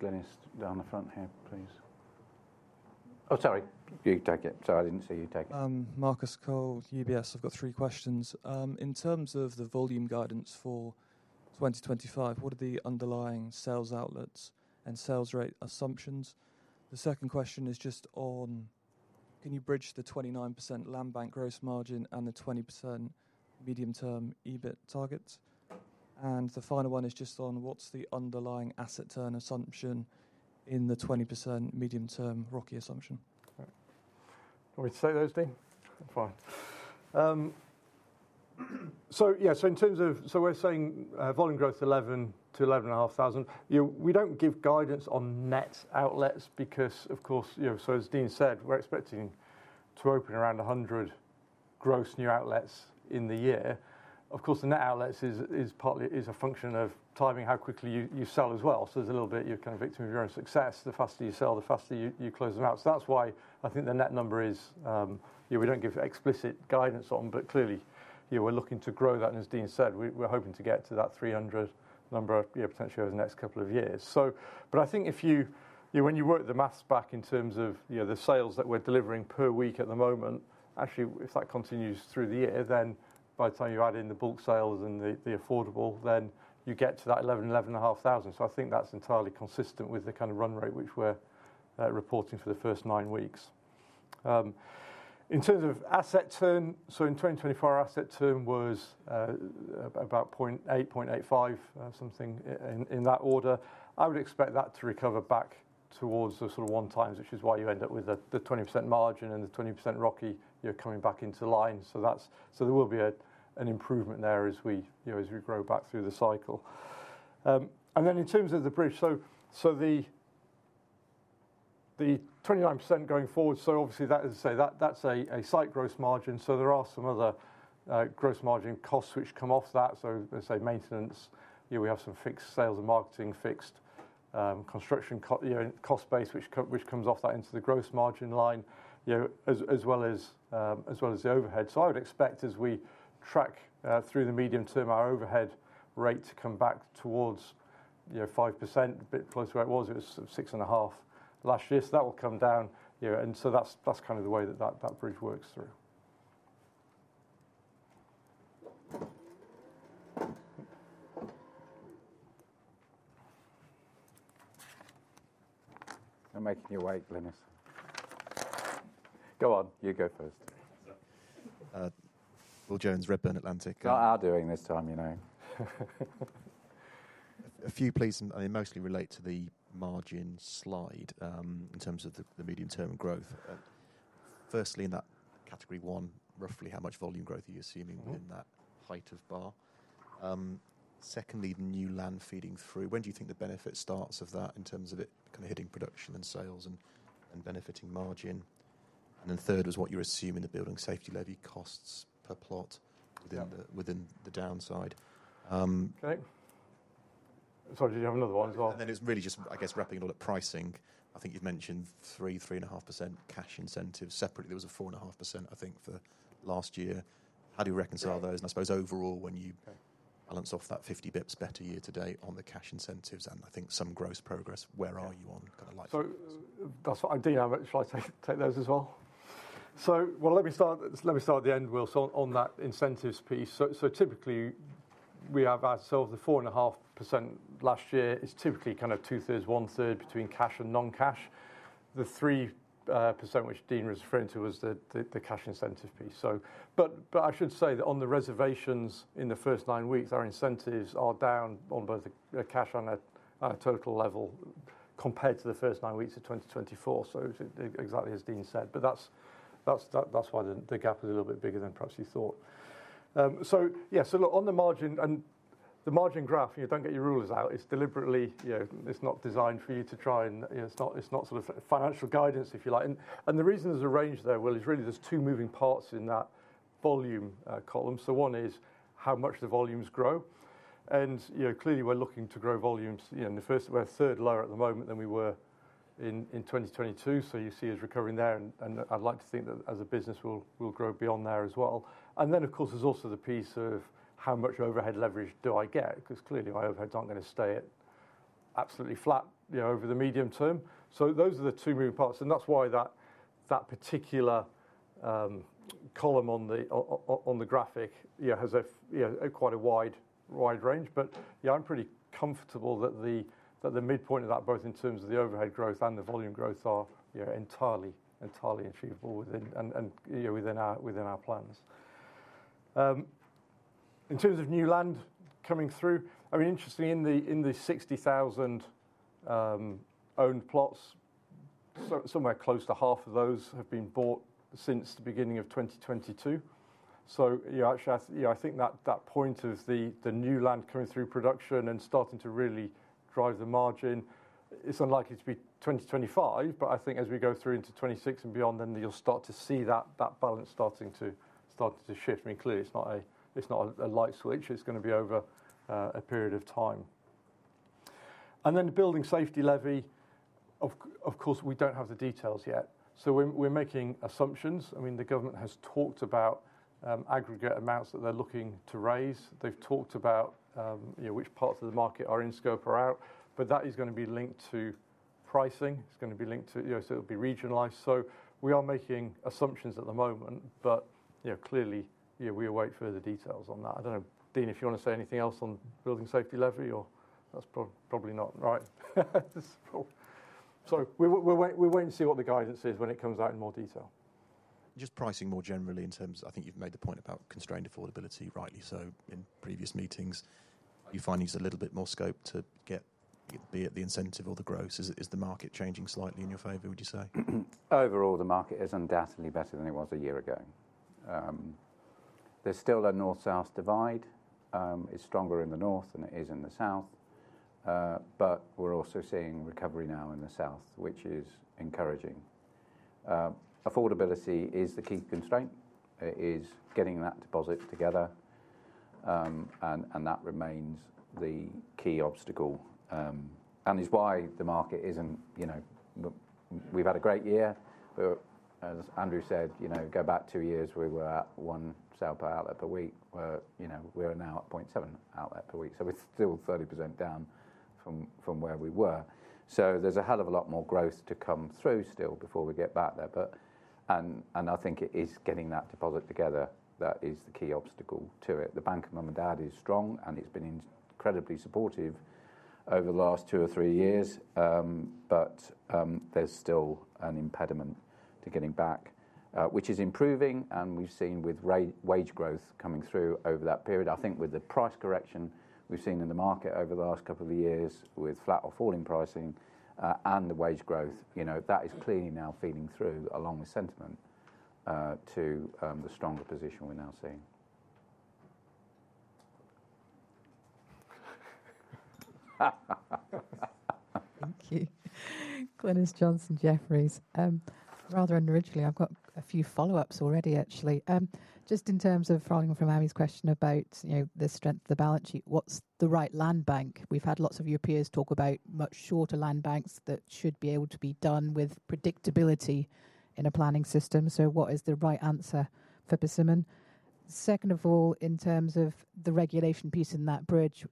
Glynis down the front here, please. Oh, sorry. You take it. Sorry, I didn't see you take it. Marcus Cole, UBS. I've got three questions. In terms of the volume guidance for 2025, what are the underlying sales outlets and sales rate assumptions? The second question is just on, can you bridge the 29% land bank gross margin and the 20% medium-term EBIT targets? And the final one is just on what's the underlying asset turn assumption in the 20% medium-term ROCE assumption? Can we say those, Dean? Fine. In terms of, we're saying volume growth 11,000 to 11,500. We do not give guidance on net outlets because, of course, as Dean said, we are expecting to open around 100 gross new outlets in the year. Of course, the net outlets is partly a function of timing, how quickly you sell as well. There is a little bit, you are kind of victim of your own success. The faster you sell, the faster you close them out. That is why I think the net number is, we do not give explicit guidance on, but clearly we are looking to grow that. As Dean said, we are hoping to get to that 300 number of potential over the next couple of years. I think if you, when you work the maths back in terms of the sales that we're delivering per week at the moment, actually, if that continues through the year, then by the time you add in the bulk sales and the affordable, then you get to that 11,000 to 11,500. I think that's entirely consistent with the kind of run rate which we're reporting for the first nine weeks. In terms of asset turn, in 2024, our asset turn was about 0.8% to 0.85%, something in that order. I would expect that to recover back towards the sort of one times, which is why you end up with the 20% margin and the 20% ROCE, you're coming back into line. There will be an improvement there as we grow back through the cycle. In terms of the bridge, the 29% going forward, obviously that is, say, that's a site gross margin. There are some other gross margin costs which come off that. Let's say maintenance, we have some fixed sales and marketing, fixed construction cost base, which comes off that into the gross margin line, as well as the overhead. I would expect as we track through the medium term, our overhead rate to come back towards 5%, a bit close to where it was. It was 6.5% last year. That will come down. That's kind of the way that that bridge works through. I'm making you wait, Glynis. Go on, you go first. Will Jones, Redburn Atlantic. Not our doing this time. A few, please, and they mostly relate to the margin slide in terms of the medium-term growth. Firstly, in that category one, roughly how much volume growth are you assuming within that height of bar? Secondly, the new land feeding through, when do you think the benefit starts of that in terms of it kind of hitting production and sales and benefiting margin? Third was what you're assuming the Building Safety Levy costs per plot within the downside. Sorry, did you have another one as well? It's really just, I guess, wrapping it all at pricing. I think you've mentioned 3% to 3.5% cash incentives separately. There was a 4.5% I think for last year. How do you reconcile those? I suppose overall, when you balance off that 50 basis points better year to date on the cash incentives and I think some gross progress, where are you on kind of like? That's what I did. I'm actually trying to take those as well. Let me start at the end, Will, on that incentives piece. Typically, we have ourselves the 4.5% last year is typically kind of two-thirds, one-third between cash and non-cash. The 3% which Dean was referring to was the cash incentive piece. I should say that on the reservations in the first nine weeks, our incentives are down on both a cash and a total level compared to the first nine weeks of 2024. Exactly as Dean said, that's why the gap is a little bit bigger than perhaps you thought. On the margin and the margin graph, you do not get your rulers out. It is deliberately, it is not designed for you to try and it is not sort of financial guidance, if you like. The reason there's a range there, Will, is really there's two moving parts in that volume column. One is how much the volumes grow. Clearly, we're looking to grow volumes. We're a third lower at the moment than we were in 2022. You see us recovering there. I'd like to think that as a business, we'll grow beyond there as well. Of course, there's also the piece of how much overhead leverage do I get, because clearly, my overhead is not going to stay absolutely flat over the medium term. Those are the two moving parts. That's why that particular column on the graphic has quite a wide range. Yeah, I'm pretty comfortable that the midpoint of that, both in terms of the overhead growth and the volume growth, are entirely achievable within our plans. In terms of new land coming through, I mean, interestingly, in the 60,000 owned plots, somewhere close to half of those have been bought since the beginning of 2022. Actually, I think that point of the new land coming through production and starting to really drive the margin, it's unlikely to be 2025, but I think as we go through into 2026 and beyond, then you'll start to see that balance starting to shift. I mean, clearly, it's not a light switch. It's going to be over a period of time. The Building Safety Levy, of course, we don't have the details yet. We're making assumptions. The government has talked about aggregate amounts that they're looking to raise. They've talked about which parts of the market are in scope or out. That is going to be linked to pricing. It's going to be linked to, so it'll be regionalized. We are making assumptions at the moment, but clearly, we await further details on that. I don't know, Dean, if you want to say anything else on Building Safety Levy, or that's probably not right. We're waiting to see what the guidance is when it comes out in more detail. Just pricing more generally in terms of, I think you've made the point about constrained affordability rightly. In previous meetings, you find there's a little bit more scope to get be it the incentive or the gross. Is the market changing slightly in your favor, would you say? Overall, the market is undoubtedly better than it was a year ago. There's still a north-south divide. It's stronger in the north than it is in the south. We're also seeing recovery now in the south, which is encouraging. Affordability is the key constraint. It is getting that deposit together. That remains the key obstacle and is why the market is not, we've had a great year. As Andrew said, go back two years, we were at one sale per outlet per week. We are now at 0.7 outlet per week. We are still 30% down from where we were. There is a lot more growth to come through still before we get back there. I think it is getting that deposit together that is the key obstacle to it. The Bank of Mum and Dad is strong, and it has been incredibly supportive over the last two or three years. There is still an impediment to getting back, which is improving. We have seen with wage growth coming through over that period. I think with the price correction we've seen in the market over the last couple of years with flat or falling pricing and the wage growth, that is clearly now feeding through along with sentiment to the stronger position we're now seeing. Thank you. Glynis Johnson, Jefferies. Rather unoriginally, I've got a few follow-ups already, actually. Just in terms of following from Ami's question about the strength of the balance sheet, what's the right land bank? We've had lots of your peers talk about much shorter land banks that should be able to be done with predictability in a planning system. So what is the right answer for Persimmon? Second of all, in terms of the regulation piece in that bridge,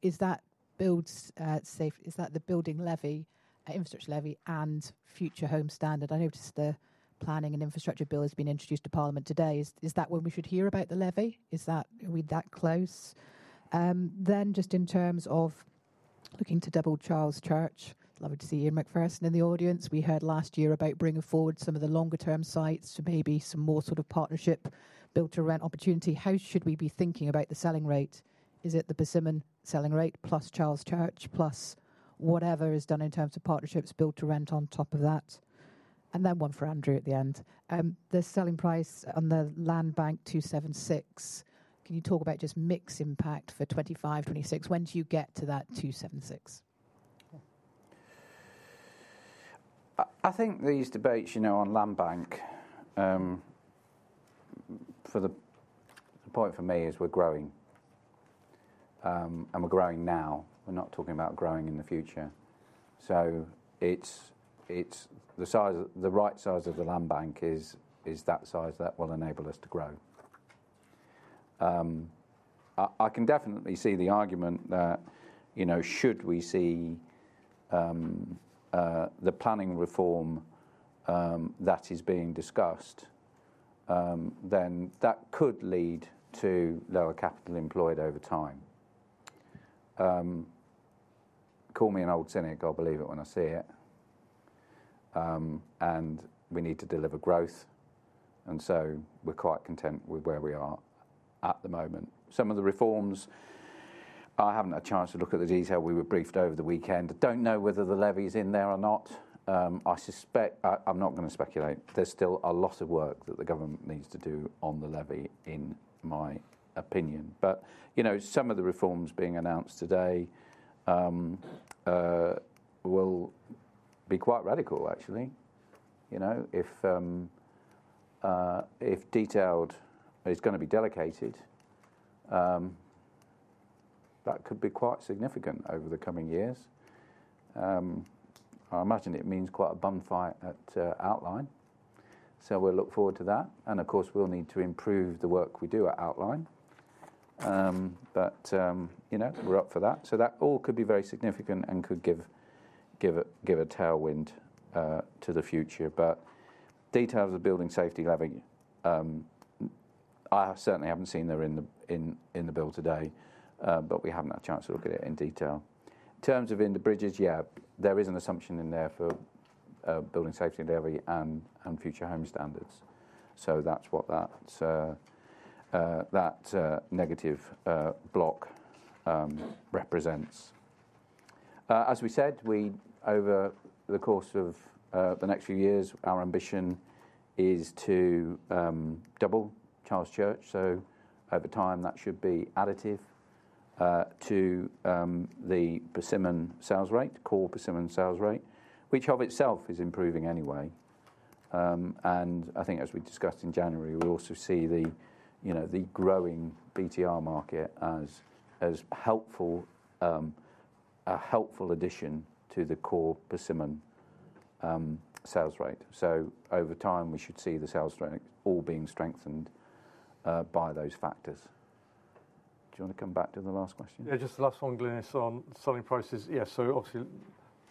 is that build safe, is that the Building Safety Levy, Infrastructure Levy, and Future Homes Standard? I noticed the Planning and Infrastructure Bill has been introduced to Parliament today. Is that when we should hear about the levy? Are we that close? In terms of looking to double Charles Church, love to see you and in person in the audience. We heard last year about bringing forward some of the longer-term sites to maybe some more sort of partnership Build to Rent opportunity. How should we be thinking about the selling rate? Is it the Persimmon selling rate plus Charles Church plus whatever is done in terms of partnerships Build to Rent on top of that? One for Andrew at the end. The selling price on the land bank 276, can you talk about just mixed impact for 2025, 2026? When do you get to that 276? I think these debates on land bank, for the point for me is we're growing. We're growing now. We're not talking about growing in the future. The right size of the land bank is that size that will enable us to grow. I can definitely see the argument that should we see the planning reform that is being discussed, then that could lead to lower capital employed over time. Call me an old cynic, I'll believe it when I see it. We need to deliver growth. We are quite content with where we are at the moment. Some of the reforms, I haven't had a chance to look at the detail. We were briefed over the weekend. I don't know whether the levy is in there or not. I'm not going to speculate. There is still a lot of work that the government needs to do on the levy, in my opinion. Some of the reforms being announced today will be quite radical, actually. If detailed is going to be delegated, that could be quite significant over the coming years. I imagine it means quite a bonfire at outline. We will look forward to that. Of course, we will need to improve the work we do at outline. We are up for that. That all could be very significant and could give a tailwind to the future. Details of Building Safety Levy, I certainly have not seen there in the bill today, but we have not had a chance to look at it in detail. In terms of in the bridges, yeah, there is an assumption in there for Building Safety Levy and Future Homes Standard. That is what that negative block represents. As we said, over the course of the next few years, our ambition is to double Charles Church. Over time, that should be additive to the Persimmon sales rate, core Persimmon sales rate, which of itself is improving anyway. I think as we discussed in January, we also see the growing BTR market as a helpful addition to the core Persimmon sales rate. Over time, we should see the sales strength all being strengthened by those factors. Do you want to come back to the last question? Just the last one, Glynis, on selling prices. Obviously,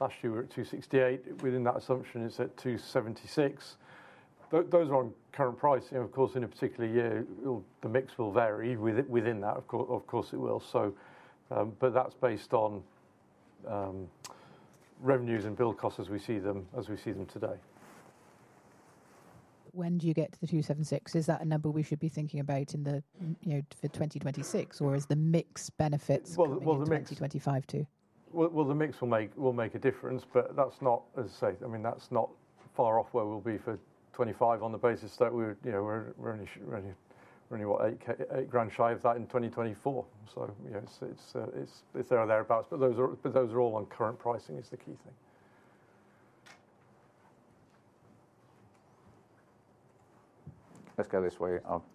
last year we were at 268,000. Within that assumption, it is at 276,000. Those are on current price. Of course, in a particular year, the mix will vary within that. Of course, it will. That is based on revenues and build costs as we see them today. When do you get to the 276,000? Is that a number we should be thinking about for 2026, or is the mix benefits for 2025 too? The mix will make a difference, but that's not, as I say, I mean, that's not far off where we'll be for 2025 on the basis that we're only, what, 8,000 shy of that in 2024. It is there or thereabouts. Those are all on current pricing, which is the key thing. Let's go this way. I'll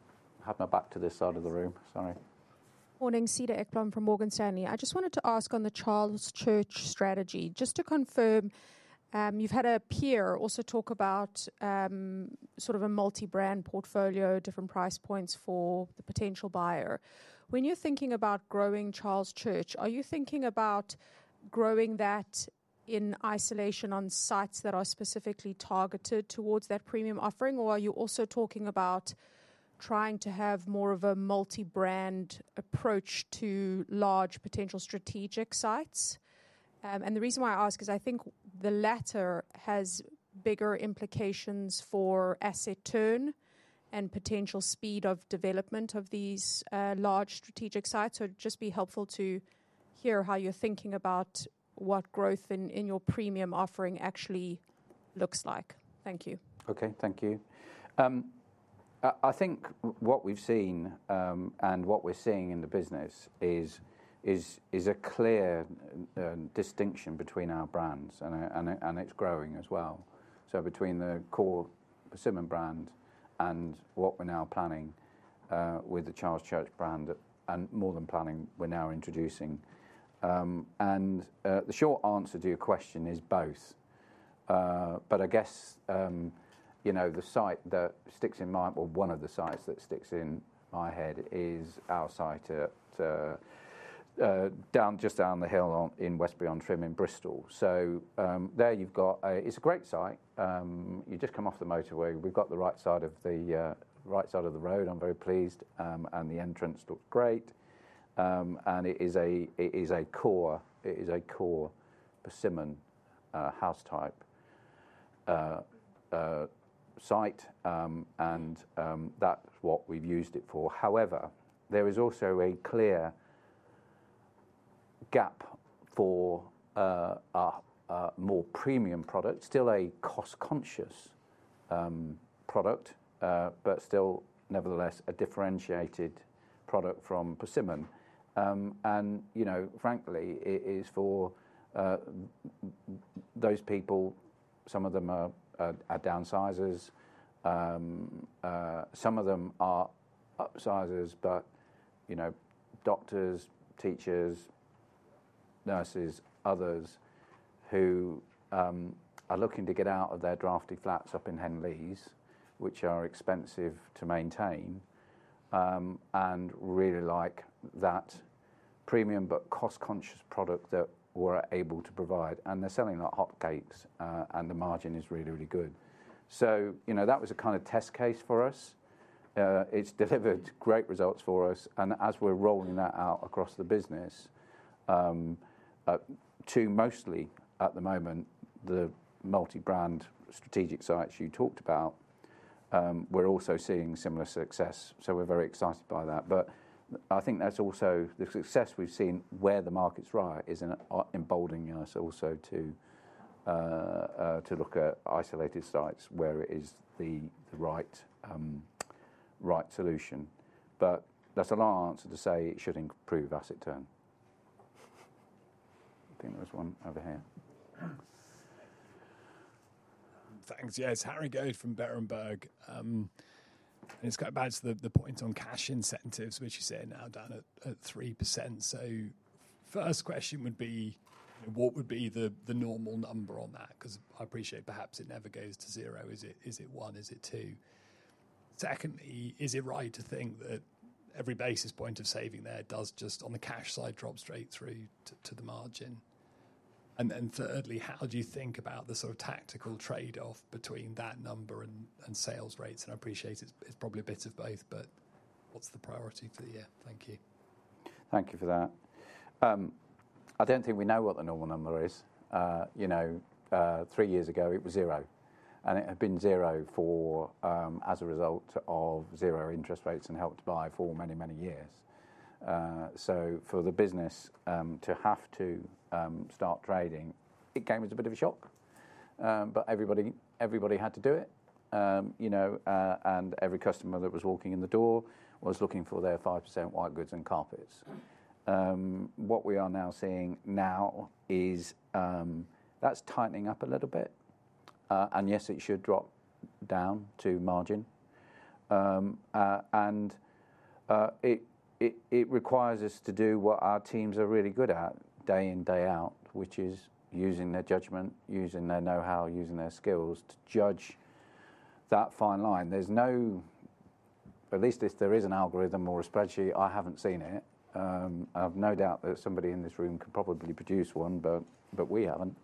have my back to this side of the room. Sorry. Morning, Siddharth Ekambaram from Morgan Stanley. I just wanted to ask on the Charles Church strategy. Just to confirm, you've had a peer also talk about sort of a multi-brand portfolio, different price points for the potential buyer. When you're thinking about growing Charles Church, are you thinking about growing that in isolation on sites that are specifically targeted towards that premium offering, or are you also talking about trying to have more of a multi-brand approach to large potential strategic sites? The reason why I ask is I think the latter has bigger implications for asset turn and potential speed of development of these large strategic sites. It would just be helpful to hear how you're thinking about what growth in your premium offering actually looks like. Thank you. Okay, thank you. I think what we've seen and what we're seeing in the business is a clear distinction between our brands, and it's growing as well. Between the core Persimmon brand and what we're now planning with the Charles Church brand, and more than planning, we're now introducing. The short answer to your question is both. I guess the site that sticks in my mind, or one of the sites that sticks in my head, is our site just down the hill in Westbury-on-Trym in Bristol. There you have a, it's a great site. You just come off the motorway. We have the right side of the road. I'm very pleased. The entrance looks great. It is a core Persimmon house type site. That's what we've used it for. However, there is also a clear gap for a more premium product, still a cost-conscious product, but still, nevertheless, a differentiated product from Persimmon. Frankly, it is for those people, some of them are downsizers, some of them are upsizers, but doctors, teachers, nurses, others who are looking to get out of their drafty flats up in Henleaze, which are expensive to maintain, and really like that premium but cost-conscious product that we're able to provide. They're selling like hotcakes, and the margin is really, really good. That was a kind of test case for us. It's delivered great results for us. As we're rolling that out across the business, to mostly at the moment, the multi-brand strategic sites you talked about, we're also seeing similar success. We are very excited by that. I think that's also the success we've seen where the market's right is in emboldening us also to look at isolated sites where it is the right solution. That is a long answer to say it should improve asset turn. I think there was one over here. Thanks. Yes, Harry Goad from Berenberg. It is going back to the point on cash incentives, which you said now down at 3%. First question would be, what would be the normal number on that? I appreciate perhaps it never goes to zero. Is it one? Is it two? Secondly, is it right to think that every basis point of saving there does just on the cash side drop straight through to the margin? Thirdly, how do you think about the sort of tactical trade-off between that number and sales rates? I appreciate it is probably a bit of both, but what is the priority for the year? Thank you. Thank you for that. I do not think we know what the normal number is. Three years ago, it was zero. It had been zero as a result of zero interest rates and Help to Buy for many, many years. For the business to have to start trading, it came as a bit of a shock. Everybody had to do it. Every customer that was walking in the door was looking for their 5% white goods and carpets. What we are seeing now is that's tightening up a little bit. Yes, it should drop down to margin. It requires us to do what our teams are really good at day in, day out, which is using their judgment, using their know-how, using their skills to judge that fine line. There is no, at least if there is an algorithm or a spreadsheet, I haven't seen it. I have no doubt that somebody in this room could probably produce one, but we haven't.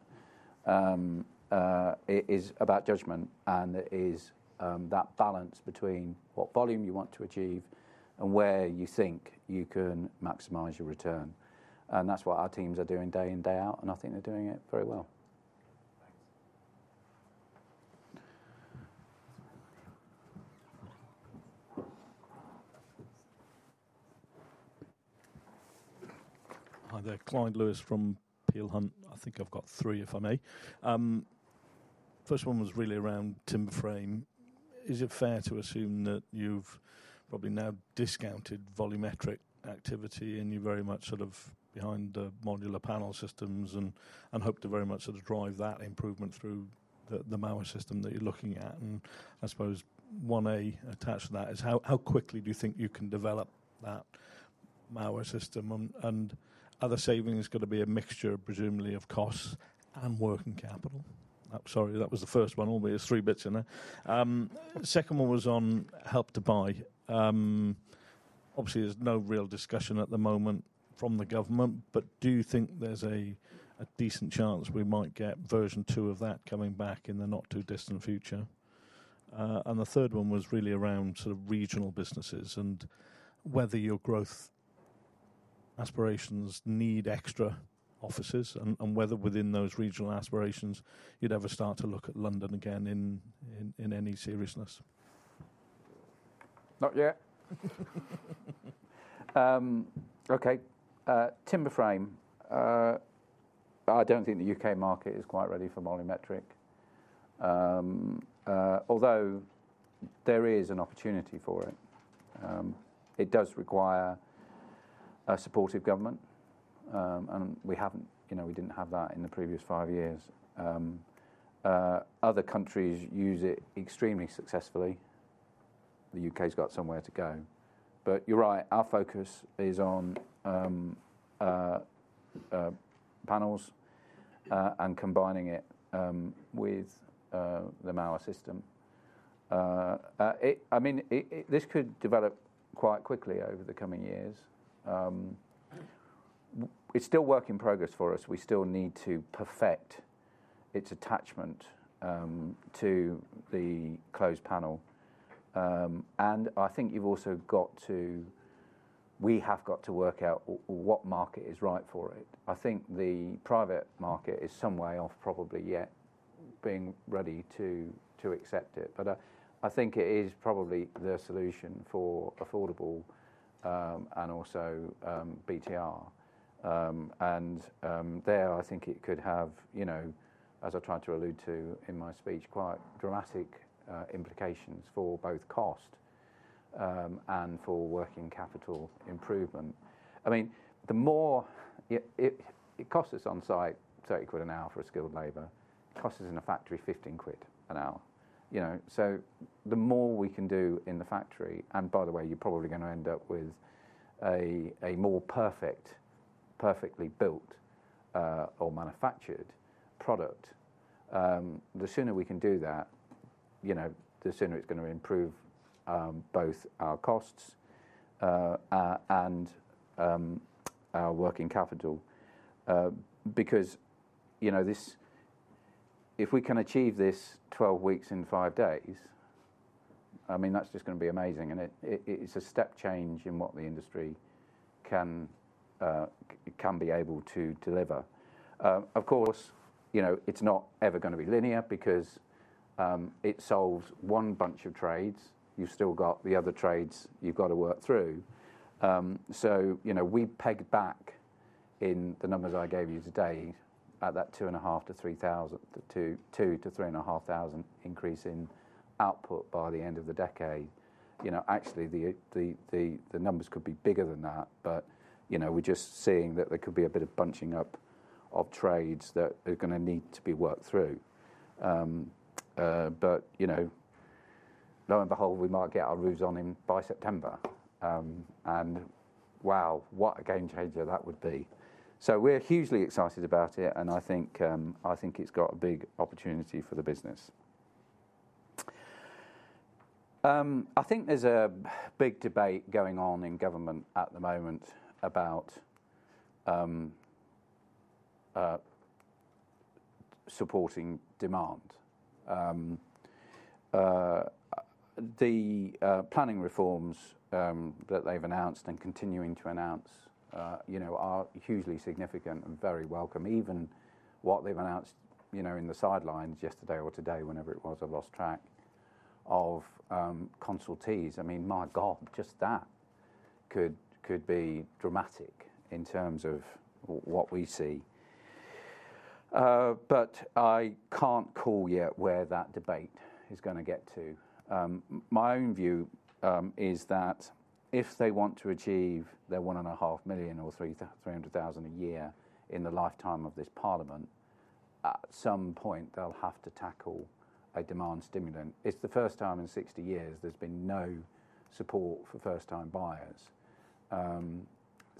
It is about judgment, and it is that balance between what volume you want to achieve and where you think you can maximize your return. That is what our teams are doing day in, day out, and I think they're doing it very well. Hi there, Clyde Lewis from Peel Hunt. I think I've got three if I may. First one was really around timber frame. Is it fair to assume that you've probably now discounted volumetric activity and you're very much sort of behind the modular panel systems and hope to very much sort of drive that improvement through the masonry system that you're looking at? I suppose one A attached to that is how quickly do you think you can develop that masonry system? Are the savings going to be a mixture, presumably, of costs and working capital? Sorry, that was the first one. There are three bits in there. The second one was on Help to Buy. Obviously, there is no real discussion at the moment from the government, but do you think there is a decent chance we might get version two of that coming back in the not too distant future? The third one was really around sort of regional businesses and whether your growth aspirations need extra offices and whether within those regional aspirations you would ever start to look at London again in any seriousness. Not yet. Okay, timber frame. I do not think the UK market is quite ready for volumetric. Although there is an opportunity for it, it does require a supportive government. We did not have that in the previous five years. Other countries use it extremely successfully. The UK's got somewhere to go. You're right, our focus is on panels and combining it with the masonry system. I mean, this could develop quite quickly over the coming years. It's still work in progress for us. We still need to perfect its attachment to the closed panel. I think you've also got to, we have got to work out what market is right for it. I think the private market is some way off probably yet being ready to accept it. I think it is probably the solution for affordable and also BTR. There, I think it could have, as I tried to allude to in my speech, quite dramatic implications for both cost and for working capital improvement. I mean, the more it costs us on-site, 30 quid an hour for a skilled laborer. It costs us in a factory 15 quid an hour. The more we can do in the factory, and by the way, you're probably going to end up with a more perfectly built or manufactured product. The sooner we can do that, the sooner it's going to improve both our costs and our working capital. Because if we can achieve this 12 weeks in five days, I mean, that's just going to be amazing. It's a step change in what the industry can be able to deliver. Of course, it's not ever going to be linear because it solves one bunch of trades. You've still got the other trades you've got to work through. We pegged back in the numbers I gave you today at that two and a half to three thousand, two to three and a half thousand increase in output by the end of the decade. Actually, the numbers could be bigger than that, but we're just seeing that there could be a bit of bunching up of trades that are going to need to be worked through. Lo and behold, we might get our roof on him by September. Wow, what a game changer that would be. We're hugely excited about it, and I think it's got a big opportunity for the business. I think there's a big debate going on in government at the moment about supporting demand. The planning reforms that they've announced and continuing to announce are hugely significant and very welcome. Even what they've announced in the sidelines yesterday or today, whenever it was, I lost track of consultees. I mean, my God, just that could be dramatic in terms of what we see. I can't call yet where that debate is going to get to. My own view is that if they want to achieve their 1.5 million or 300,000 a year in the lifetime of this parliament, at some point, they'll have to tackle a demand stimulant. It's the first time in 60 years there's been no support for first-time buyers.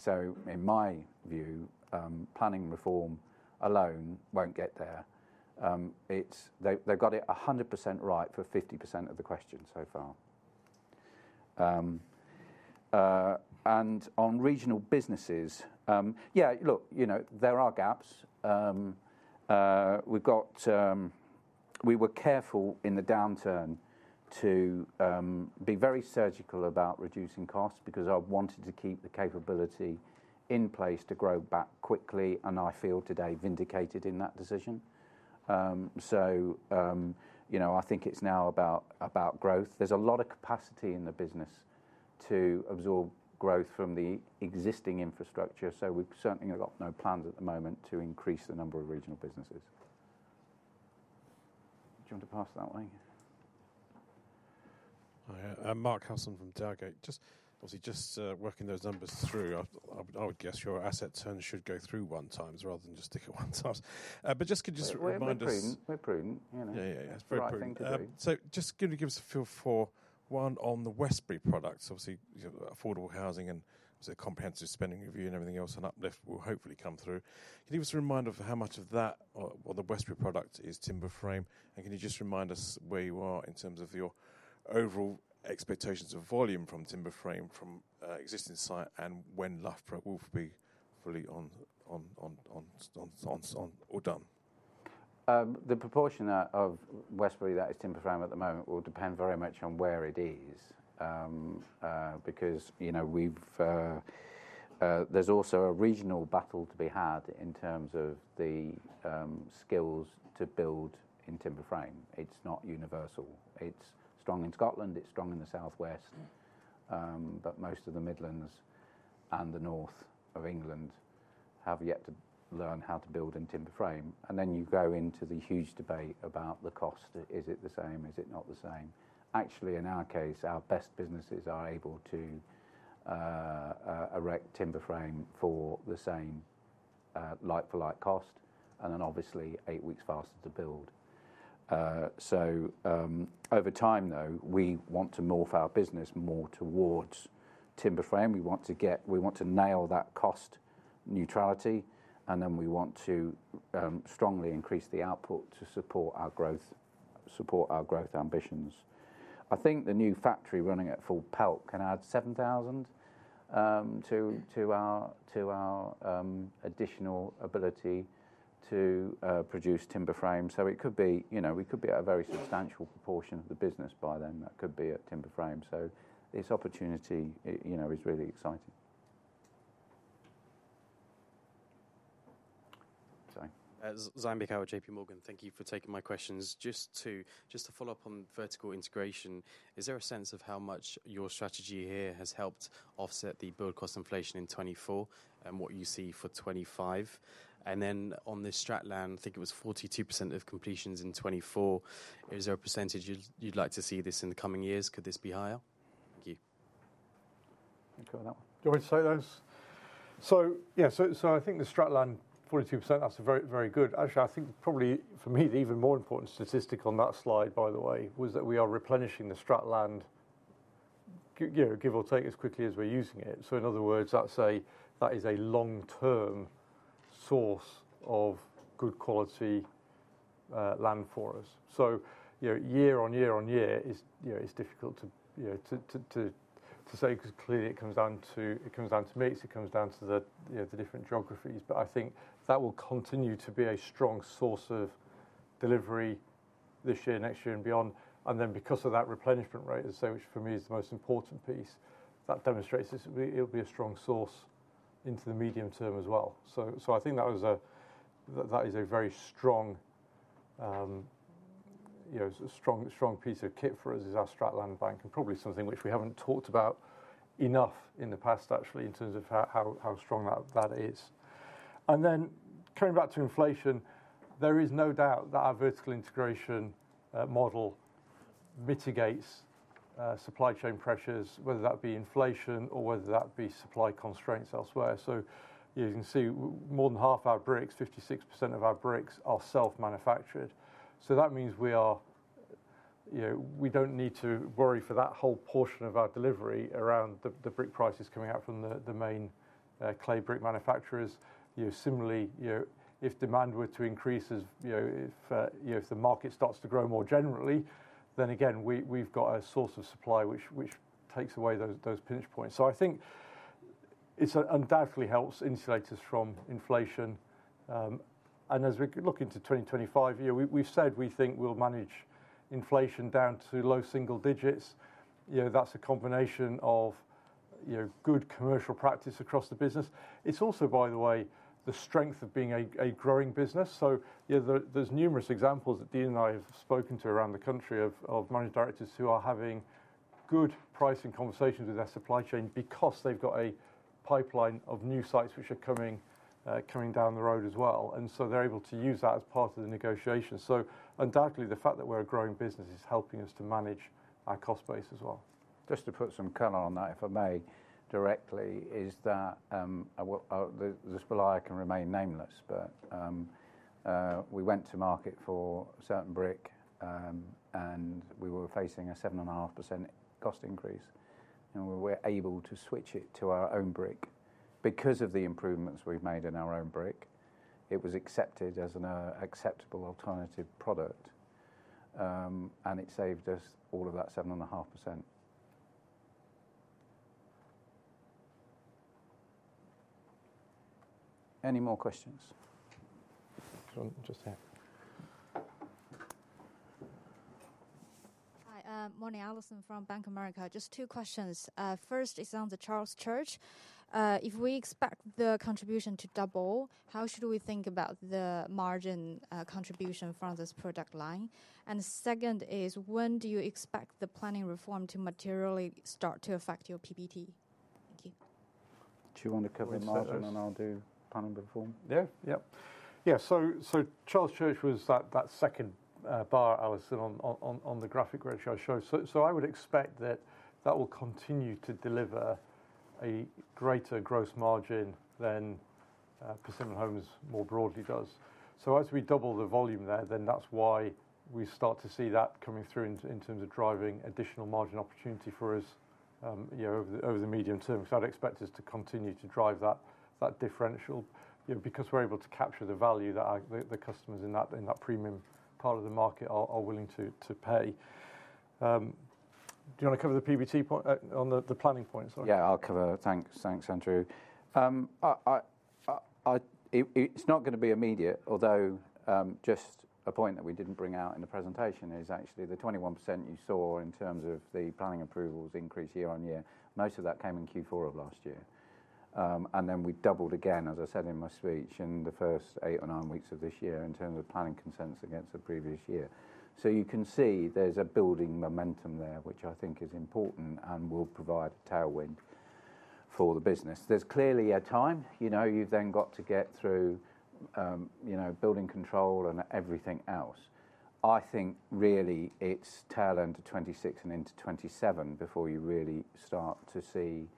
In my view, planning reform alone won't get there. They've got it 100% right for 50% of the questions so far. On regional businesses, yeah, look, there are gaps. We were careful in the downturn to be very surgical about reducing costs because I wanted to keep the capability in place to grow back quickly, and I feel today vindicated in that decision. I think it's now about growth. There's a lot of capacity in the business to absorb growth from the existing infrastructure. We've certainly got no plans at the moment to increase the number of regional businesses. Do you want to pass that way? Hi, I'm Mark Howson from Dowgate. Obviously, just working those numbers through, I would guess your asset turn should go through one times rather than just stick at one times. Could you just remind us? We're prudent. Yeah, yeah, yeah. That's very prudent. Just give us a feel for one on the Westbury products. Obviously, affordable housing and Comprehensive Spending Review and everything else on uplift will hopefully come through. Can you give us a reminder of how much of that or the Westbury product is timber frame? Can you just remind us where you are in terms of your overall expectations of volume from timber frame from existing site and when Loughborough will be fully on or done? The proportion of Westbury that is timber frame at the moment will depend very much on where it is. There is also a regional battle to be had in terms of the skills to build in timber frame. It is not universal. It is strong in Scotland. It is strong in the Southwest. Most of the Midlands and the north of England have yet to learn how to build in timber frame. You go into the huge debate about the cost. Is it the same? Is it not the same? Actually, in our case, our best businesses are able to erect timber frame for the same like-for-like cost and then obviously eight weeks faster to build. Over time, though, we want to morph our business more towards timber frame. We want to nail that cost neutrality, and then we want to strongly increase the output to support our growth ambitions. I think the new factory running at full pelt can add 7,000 to our additional ability to produce timber frame. It could be we could be at a very substantial proportion of the business by then that could be at timber frame. This opportunity is really exciting. Sorry. Zaim Beekawa at JP Morgan. Thank you for taking my questions. Just to follow up on vertical integration, is there a sense of how much your strategy here has helped offset the build cost inflation in 2024 and what you see for 2025? On the strategic land, I think it was 42% of completions in 2024. Is there a percentage you'd like to see this in the coming years? Could this be higher? Thank you. Thank you for that one. Do you want to say those? Yeah, I think the strategic land, 42%, that's very good. Actually, I think probably for me, the even more important statistic on that slide, by the way, was that we are replenishing the strategic land, give or take, as quickly as we're using it. In other words, that is a long-term source of good quality land for us. Year-on-year-on-year, it's difficult to say because clearly it comes down to mix. It comes down to the different geographies. I think that will continue to be a strong source of delivery this year, next year, and beyond. Because of that replenishment rate, which for me is the most important piece, that demonstrates it'll be a strong source into the medium term as well. I think that is a very strong piece of kit for us, is our strategic land bank, and probably something which we haven't talked about enough in the past, actually, in terms of how strong that is. Coming back to inflation, there is no doubt that our vertical integration model mitigates supply chain pressures, whether that be inflation or whether that be supply constraints elsewhere. You can see more than half our bricks, 56% of our bricks, are self-manufactured. That means we do not need to worry for that whole portion of our delivery around the brick prices coming out from the main clay brick manufacturers. Similarly, if demand were to increase, if the market starts to grow more generally, then again, we have a source of supply which takes away those pinch points. I think it undoubtedly helps insulate us from inflation. As we look into 2025, we have said we think we will manage inflation down to low single digits. That is a combination of good commercial practice across the business. It is also, by the way, the strength of being a growing business. There are numerous examples that Dean and I have spoken to around the country of managing directors who are having good pricing conversations with their supply chain because they have a pipeline of new sites which are coming down the road as well. They are able to use that as part of the negotiation. Undoubtedly, the fact that we are a growing business is helping us to manage our cost base as well. Just to put some color on that, if I may directly, the supplier can remain nameless, but we went to market for certain brick, and we were facing a 7.5% cost increase. We were able to switch it to our own brick because of the improvements we have made in our own brick. It was accepted as an acceptable alternative product, and it saved us all of that 7.5%. Any more questions? Just ahead. Hi, morning, Arnaud Joly from Bank of America. Just two questions. First, it is on the Charles Church. If we expect the contribution to double, how should we think about the margin contribution from this product line? Second is, when do you expect the planning reform to materially start to affect your PBT? Thank you. Do you want to cover margin and I will do planning reform? Yeah, yeah. Charles Church was that second bar I was on the graphic where I showed. I would expect that that will continue to deliver a greater gross margin than Persimmon Homes more broadly does. As we double the volume there, that is why we start to see that coming through in terms of driving additional margin opportunity for us over the medium term. I'd expect us to continue to drive that differential because we're able to capture the value that the customers in that premium part of the market are willing to pay. Do you want to cover the PBT on the planning point? Yeah, I'll cover. Thanks, Andrew. It's not going to be immediate, although just a point that we didn't bring out in the presentation is actually the 21% you saw in terms of the planning approvals increase year-on-year. Most of that came in Q4 of last year. We doubled again, as I said in my speech, in the first eight or nine weeks of this year in terms of planning consents against the previous year. You can see there's a building momentum there, which I think is important and will provide a tailwind for the business. There's clearly a time. You've then got to get through building control and everything else. I think really it's tail end to 2026 and into 2027 before you really start to see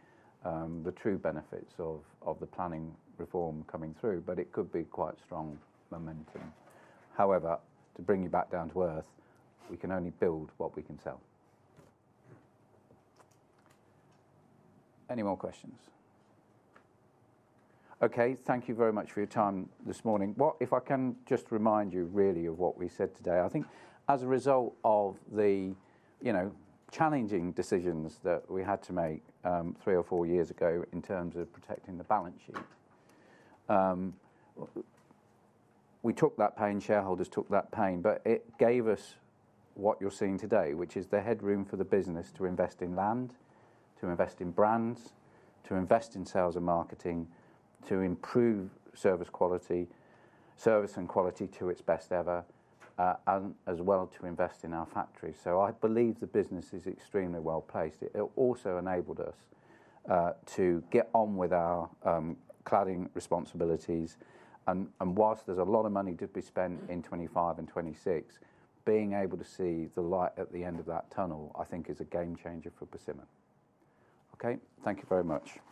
the true benefits of the planning reform coming through. It could be quite strong momentum. However, to bring you back down to earth, we can only build what we can sell. Any more questions? Okay. Thank you very much for your time this morning. If I can just remind you really of what we said today, I think as a result of the challenging decisions that we had to make three or four years ago in terms of protecting the balance sheet, we took that pain. Shareholders took that pain, but it gave us what you're seeing today, which is the headroom for the business to invest in land, to invest in brands, to invest in sales and marketing, to improve service quality to its best ever, and as well to invest in our factories. I believe the business is extremely well placed. It also enabled us to get on with our cladding responsibilities. Whilst there's a lot of money to be spent in 2025 and 2026, being able to see the light at the end of that tunnel, I think, is a game changer for Persimmon. Okay. Thank you very much.